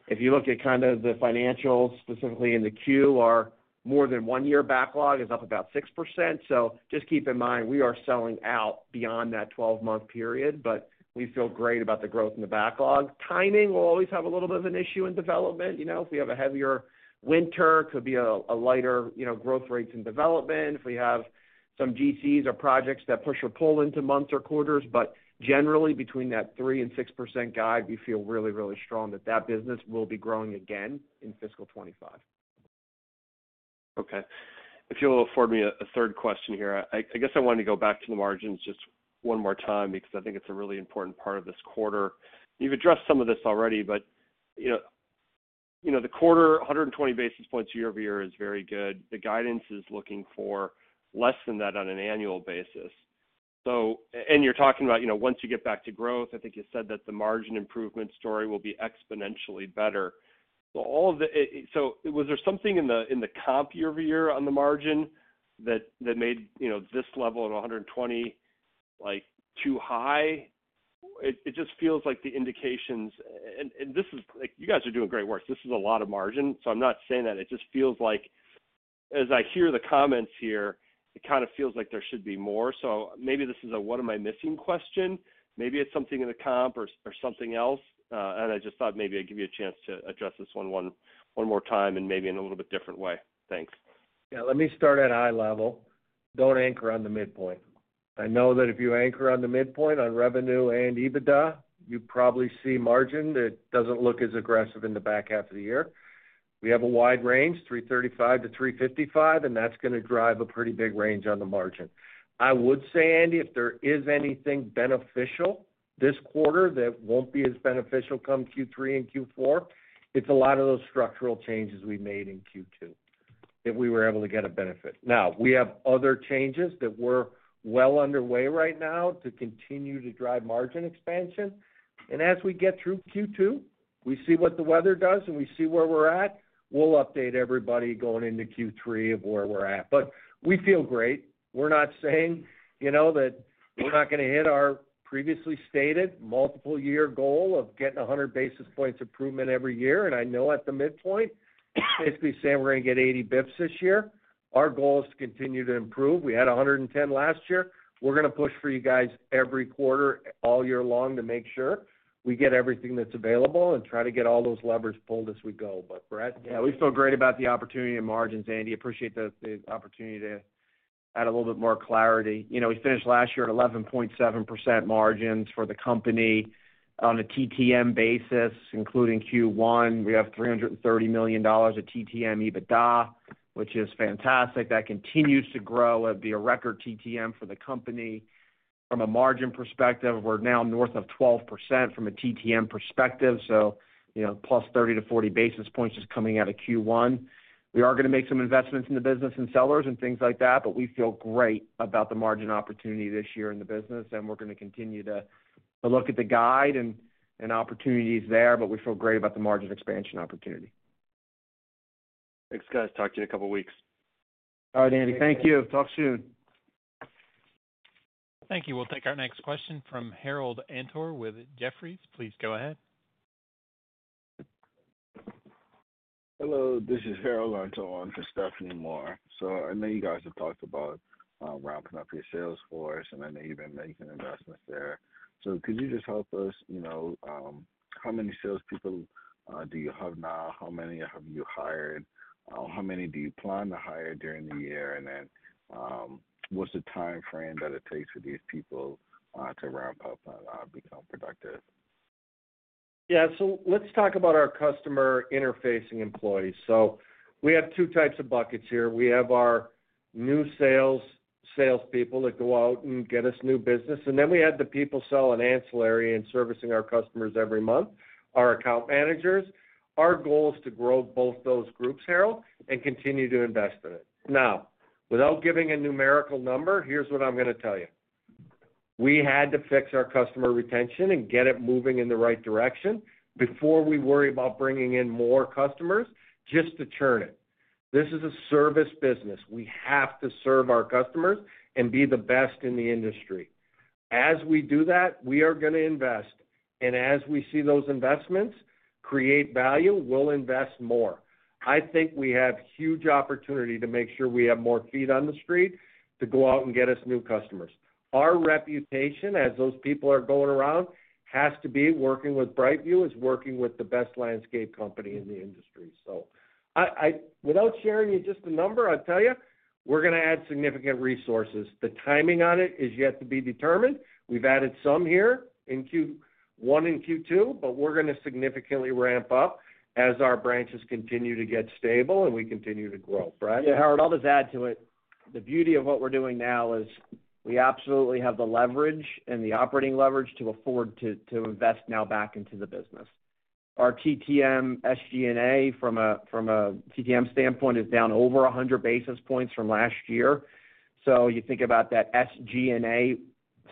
If you look at kind of the financials, specifically in the Q, our more than one-year backlog is up about 6%. So just keep in mind we are selling out beyond that 12-month period. But we feel great about the growth in the backlog. Timing will always have a little bit of an issue in development. If we have a heavier winter, it could be a lighter growth rate in development. If we have some GCs or projects that push or pull into months or quarters. But generally, between that 3% and 6% guide, we feel really, really strong that that business will be growing again in fiscal 2025. Okay. If you'll afford me a third question here, I guess I wanted to go back to the margins just one more time because I think it's a really important part of this quarter. You've addressed some of this already. But the quarter, 120 basis points year-over-year is very good. The guidance is looking for less than that on an annual basis. And you're talking about once you get back to growth, I think you said that the margin improvement story will be exponentially better. So, was there something in the comp year-over-year on the margin that made this level of 120 bps too high? It just feels like the indications, and this is, you guys are doing great work. This is a lot of margin. So I'm not saying that. It just feels like, as I hear the comments here, it kind of feels like there should be more. So maybe this is a what am I missing question. Maybe it's something in the comp or something else. And I just thought maybe I'd give you a chance to address this one more time and maybe in a little bit different way. Thanks. Yeah. Let me start at high level. Don't anchor on the midpoint. I know that if you anchor on the midpoint on revenue and EBITDA, you probably see margin that doesn't look as aggressive in the back half of the year. We have a wide range, $335 million-$355 million. And that's going to drive a pretty big range on the margin. I would say, Andy, if there is anything beneficial this quarter that won't be as beneficial come Q3 and Q4, it's a lot of those structural changes we made in Q2 that we were able to get a benefit. Now, we have other changes that we're well underway right now to continue to drive margin expansion. And as we get through Q2, we see what the weather does and we see where we're at, we'll update everybody going into Q3 of where we're at. But we feel great. We're not saying that we're not going to hit our previously stated multiple-year goal of getting 100 basis points improvement every year, and I know at the midpoint, basically saying we're going to get 80 basis points this year. Our goal is to continue to improve. We had 110 bps last year. We're going to push for you guys every quarter, all year long, to make sure we get everything that's available and try to get all those levers pulled as we go. But Brett? Yeah. We feel great about the opportunity and margins, Andy. Appreciate the opportunity to add a little bit more clarity. We finished last year at 11.7% margins for the company on a TTM basis, including Q1. We have $330 million of TTM EBITDA, which is fantastic. That continues to grow. It'd be a record TTM for the company. From a margin perspective, we're now north of 12% from a TTM perspective. So plus 30-40 basis points just coming out of Q1. We are going to make some investments in the business and sales and things like that. But we feel great about the margin opportunity this year in the business. And we're going to continue to look at the guide and opportunities there. But we feel great about the margin expansion opportunity. Thanks, guys. Talk to you in a couple of weeks. All right, Andy. Thank you. Talk soon. Thank you. We'll take our next question from Harold Antor with Jefferies. Please go ahead. Hello. This is Stephanie Moore for Harold Antor. So I know you guys have talked about ramping up your sales force, and I know you've been making investments there. So could you just help us? How many salespeople do you have now? How many have you hired? How many do you plan to hire during the year? And then what's the time frame that it takes for these people to ramp up and become productive? Yeah, so let's talk about our customer interfacing employees, so we have two types of buckets here. We have our new salespeople that go out and get us new business, and then we have the people selling ancillary and servicing our customers every month, our account managers. Our goal is to grow both those groups, Harold, and continue to invest in it. Now, without giving a numerical number, here's what I'm going to tell you. We had to fix our customer retention and get it moving in the right direction before we worry about bringing in more customers just to churn it. This is a service business. We have to serve our customers and be the best in the industry. As we do that, we are going to invest. And as we see those investments create value, we'll invest more. I think we have huge opportunity to make sure we have more feet on the street to go out and get us new customers. Our reputation, as those people are going around, has to be working with BrightView is working with the best landscape company in the industry. So without sharing you just the number, I'll tell you, we're going to add significant resources. The timing on it is yet to be determined. We've added some here in Q1 and Q2, but we're going to significantly ramp up as our branches continue to get stable and we continue to grow. Brett? Yeah. Harold, I'll just add to it. The beauty of what we're doing now is we absolutely have the leverage and the operating leverage to afford to invest now back into the business. Our TTM SG&A from a TTM standpoint is down over 100 basis points from last year. So you think about that SG&A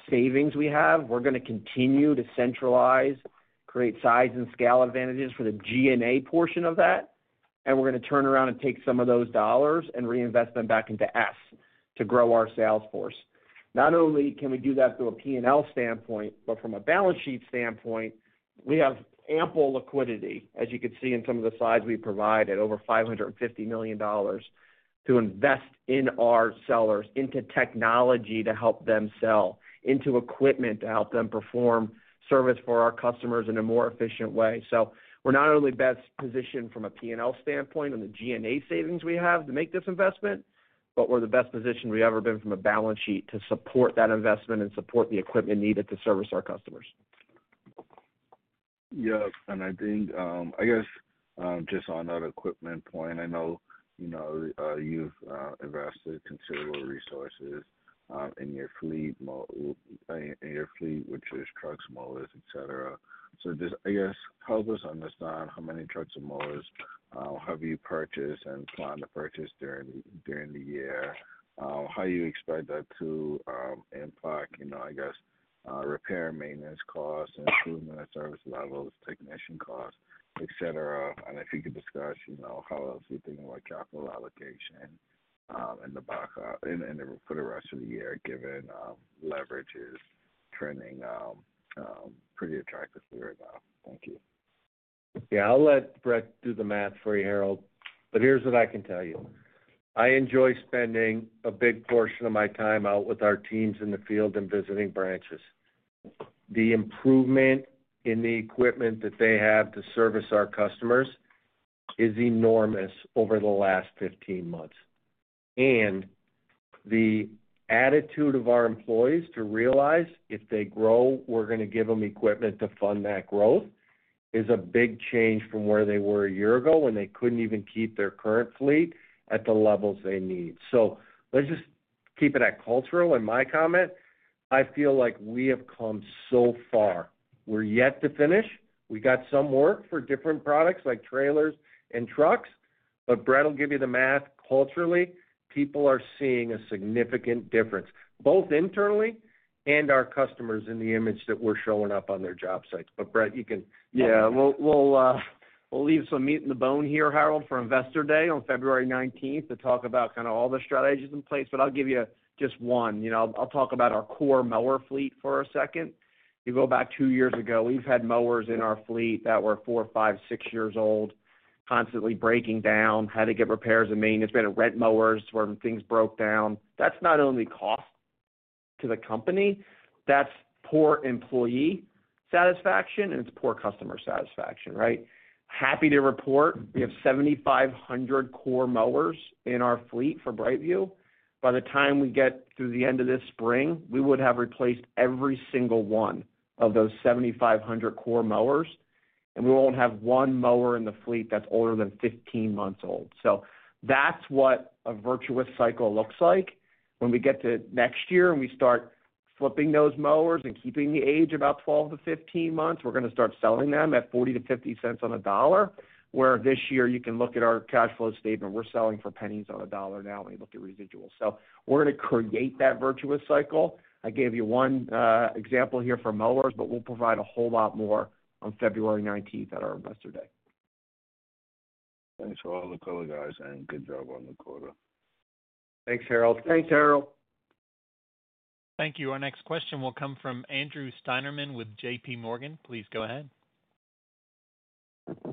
savings we have. We're going to continue to centralize, create size and scale advantages for the G&A portion of that. And we're going to turn around and take some of those dollars and reinvest them back into S to grow our sales force. Not only can we do that through a P&L standpoint, but from a balance sheet standpoint, we have ample liquidity, as you can see in some of the slides we provided, over $550 million to invest in our sellers, into technology to help them sell, into equipment to help them perform service for our customers in a more efficient way, so we're not only best positioned from a P&L standpoint on the G&A savings we have to make this investment, but we're the best position we've ever been from a balance sheet to support that investment and support the equipment needed to service our customers. Yes, and I think, I guess, just on that equipment point, I know you've invested considerable resources in your fleet, which is trucks, mowers, etc. So just, I guess, help us understand how many trucks and mowers have you purchased and plan to purchase during the year, how you expect that to impact, I guess, repair and maintenance costs, improvement and service levels, technician costs, etc.? And if you could discuss how else you're thinking about capital allocation and for the rest of the year, given leverage is trending pretty attractively right now. Thank you. Yeah. I'll let Brett do the math for you, Harold. But here's what I can tell you. I enjoy spending a big portion of my time out with our teams in the field and visiting branches. The improvement in the equipment that they have to service our customers is enormous over the last 15 months. The attitude of our employees to realize if they grow, we're going to give them equipment to fund that growth is a big change from where they were a year ago when they couldn't even keep their current fleet at the levels they need. So let's just keep it cultural in my comment. I feel like we have come so far. We're yet to finish. We got some work for different products like trailers and trucks. But Brett will give you the math. Culturally, people are seeing a significant difference, both internally and our customers in the image that we're showing up on their job sites. But Brett, you can, yeah. We'll leave some meat on the bone here, Harold, for Investor Day on February 19th to talk about kind of all the strategies in place. But I'll give you just one. I'll talk about our core mower fleet for a second. You go back two years ago, we've had mowers in our fleet that were four, five, six years old, constantly breaking down, had to get repairs and maintenance. We had rental mowers where things broke down. That's not only cost to the company, that's poor employee satisfaction, and it's poor customer satisfaction, right? Happy to report we have 7,500 core mowers in our fleet for BrightView. By the time we get through the end of this spring, we would have replaced every single one of those 7,500 core mowers. And we won't have one mower in the fleet that's older than 15 months old. So that's what a virtuous cycle looks like. When we get to next year and we start flipping those mowers and keeping the age about 12-15 months, we're going to start selling them at $0.40-$0.50 cents on a dollar, where this year you can look at our cash flow statement. We're selling for pennies on a dollar now when you look at residuals. So we're going to create that virtuous cycle. I gave you one example here for mowers, but we'll provide a whole lot more on February 19th at our Investor Day. Thanks for all the cool guys, and good job on the quarter. Thanks, Harold. Thanks, Harold. Thank you. Our next question will come from Andrew Steinerman with JPMorgan. Please go ahead.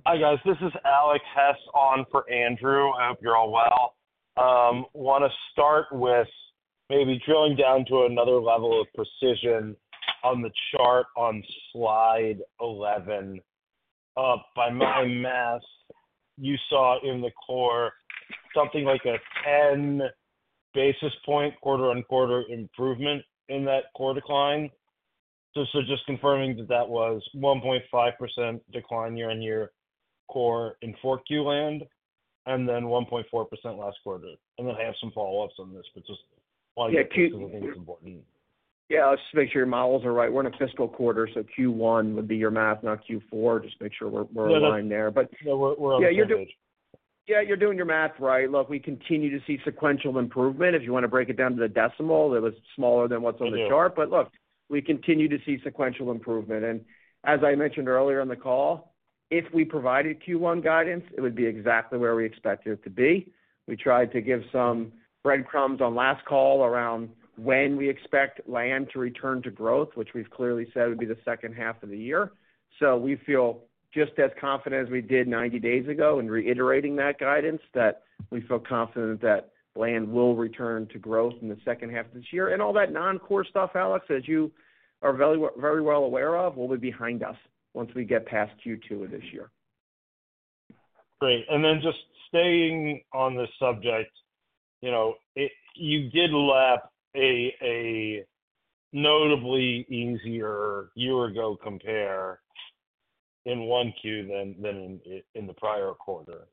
Hi guys. This is Alex Hess on for Andrew. I hope you're all well. Want to start with maybe drilling down to another level of precision on the chart on Slide 11. By my math, you saw in the core something like a 10 basis point quarter-on-quarter improvement in that core decline. So just confirming that that was 1.5% decline year-on-year core in fourth Q land, and then 1.4% last quarter. And then I have some follow-ups on this, but just wanted to make sure everything's important. Yeah. Let's just make sure your models are right. We're in a fiscal quarter, so Q1 would be your math, not Q4. Just make sure we're aligned there. But yeah, you're doing your math right. Look, we continue to see sequential improvement. If you want to break it down to the decimal, it was smaller than what's on the chart. But look, we continue to see sequential improvement. And as I mentioned earlier on the call, if we provided Q1 guidance, it would be exactly where we expected it to be. We tried to give some breadcrumbs on last call around when we expect land to return to growth, which we've clearly said would be the second half of the year. So we feel just as confident as we did 90 days ago in reiterating that guidance that we feel confident that land will return to growth in the second half of this year. And all that non-core stuff, Alex, as you are very well aware of, will be behind us once we get past Q2 of this year. Great. And then just staying on the subject, you did lap a notably easier year-ago compare in Q1 than in the prior quarter.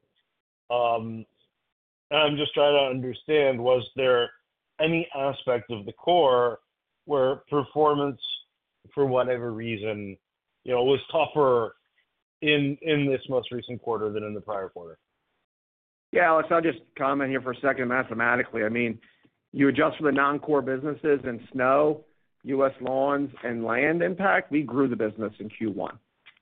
I'm just trying to understand, was there any aspect of the core where performance, for whatever reason, was tougher in this most recent quarter than in the prior quarter? Yeah. Alex, I'll just comment here for a second mathematically. I mean, you adjust for the non-core businesses in snow, U.S. Lawns, and land impact. We grew the business in Q1.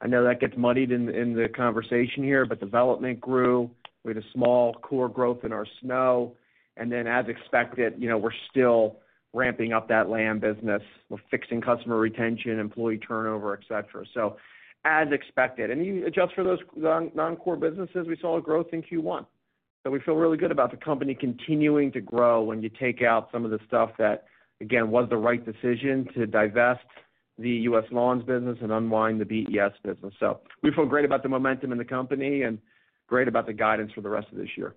I know that gets muddied in the conversation here, but development grew. We had a small core growth in our snow. And then, as expected, we're still ramping up that land business. We're fixing customer retention, employee turnover, etc. So as expected. And you adjust for those non-core businesses, we saw a growth in Q1. So we feel really good about the company continuing to grow when you take out some of the stuff that, again, was the right decision to divest the U.S. Lawns business and unwind the BES business. So we feel great about the momentum in the company and great about the guidance for the rest of this year.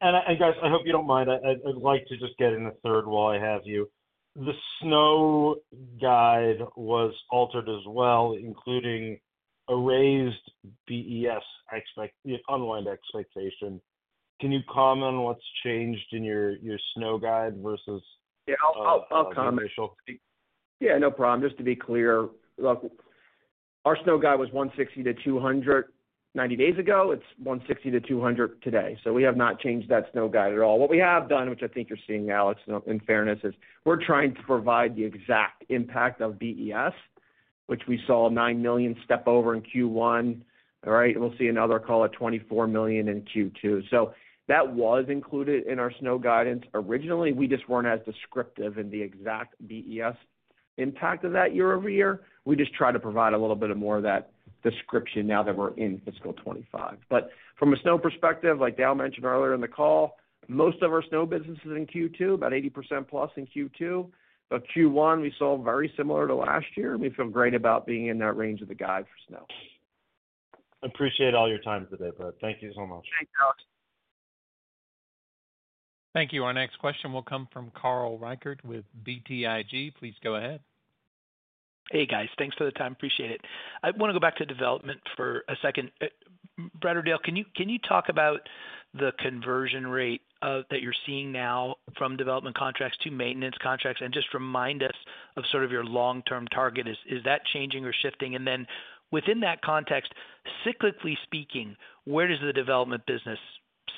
And guys, I hope you don't mind. I'd like to just get in a third while I have you. The snow guide was altered as well, including a raised BES unwind expectation. Can you comment on what's changed in your snow guide versus the initial? Yeah. No problem. Just to be clear, look, our snow guide was $160 million-$200 million 90 days ago. It's $160 million-$200 million today. So we have not changed that snow guide at all. What we have done, which I think you're seeing, Alex, in fairness, is we're trying to provide the exact impact of BES, which we saw $9 million step over in Q1, right? And we'll see another call it $24 million in Q2. So that was included in our snow guidance. Originally, we just weren't as descriptive in the exact BES impact of that year-over-year. We just try to provide a little bit more of that description now that we're in fiscal 25. But from a snow perspective, like Dale mentioned earlier in the call, most of our snow business is in Q2, about 80% plus in Q2. But Q1, we saw very similar to last year. We feel great about being in that range of the guide for snow. I appreciate all your time today, Brett. Thank you so much. Thanks, Alex. Thank you. Our next question will come from Carl Reichardt with BTIG. Please go ahead. Hey, guys. Thanks for the time. Appreciate it. I want to go back to development for a second. Brett or Dale, can you talk about the conversion rate that you're seeing now from development contracts to maintenance contracts and just remind us of sort of your long-term target? Is that changing or shifting? And then within that context, cyclically speaking, where does the development business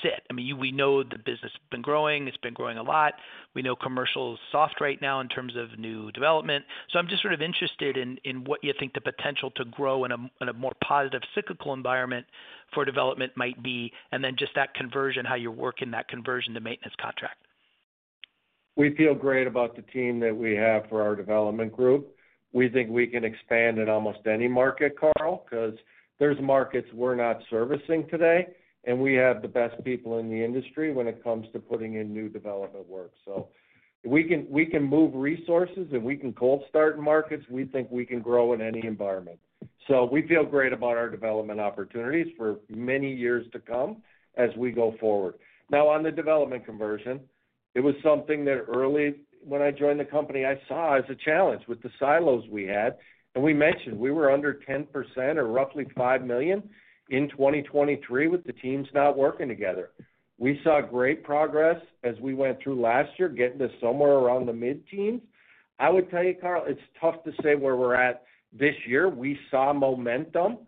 sit? I mean, we know the business has been growing. It's been growing a lot. We know commercial is soft right now in terms of new development. So I'm just sort of interested in what you think the potential to grow in a more positive cyclical environment for development might be, and then just that conversion, how you're working that conversion to maintenance contract. We feel great about the team that we have for our development group. We think we can expand in almost any market, Carl, because there's markets we're not servicing today, and we have the best people in the industry when it comes to putting in new development work. So we can move resources, and we can cold start in markets. We think we can grow in any environment. So we feel great about our development opportunities for many years to come as we go forward. Now, on the development conversion, it was something that early when I joined the company, I saw as a challenge with the silos we had. And we mentioned we were under 10% or roughly $5 million in 2023 with the teams not working together. We saw great progress as we went through last year, getting to somewhere around the mid-teens. I would tell you, Carl, it's tough to say where we're at this year. We saw momentum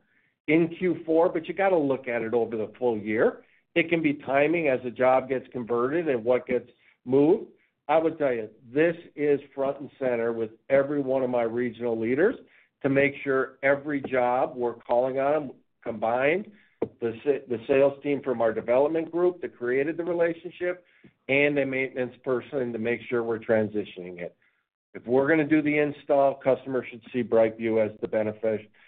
in Q4, but you got to look at it over the full year. It can be timing as a job gets converted and what gets moved. I would tell you, this is front and center with every one of my regional leaders to make sure every job we're calling on combined, the sales team from our development group that created the relationship, and the maintenance person to make sure we're transitioning it. If we're going to do the install, customers should see BrightView as the benefit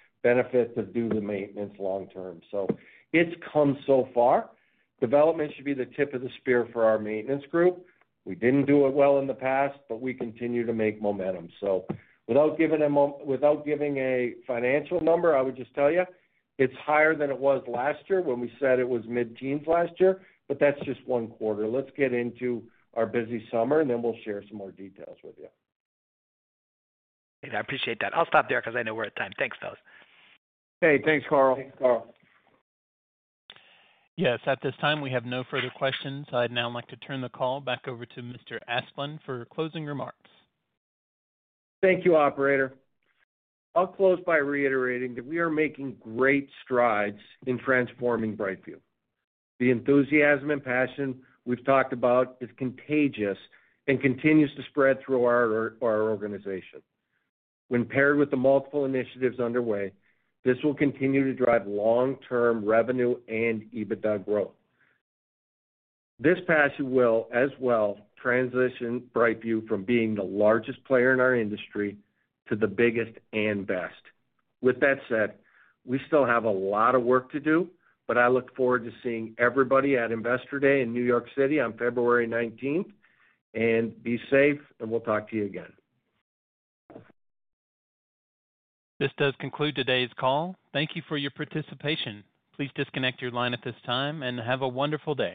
to do the maintenance long-term. So it's come so far. Development should be the tip of the spear for our maintenance group. We didn't do it well in the past, but we continue to make momentum. So without giving a financial number, I would just tell you, it's higher than it was last year when we said it was mid-teens last year, but that's just one quarter. Let's get into our busy summer, and then we'll share some more details with you. I appreciate that. I'll stop there because I know we're at time. Thanks, fellows. Hey, thanks, Carl. Thanks, Carl. Yes. At this time, we have no further questions. I'd now like to turn the call back over to Mr. Asplund for closing remarks. Thank you, Operator. I'll close by reiterating that we are making great strides in transforming BrightView. The enthusiasm and passion we've talked about is contagious and continues to spread through our organization. When paired with the multiple initiatives underway, this will continue to drive long-term revenue and EBITDA growth. This passion will as well transition BrightView from being the largest player in our industry to the biggest and best. With that said, we still have a lot of work to do, but I look forward to seeing everybody at Investor Day in New York City on February 19th, and be safe, and we'll talk to you again. This does conclude today's call. Thank you for your participation. Please disconnect your line at this time and have a wonderful day.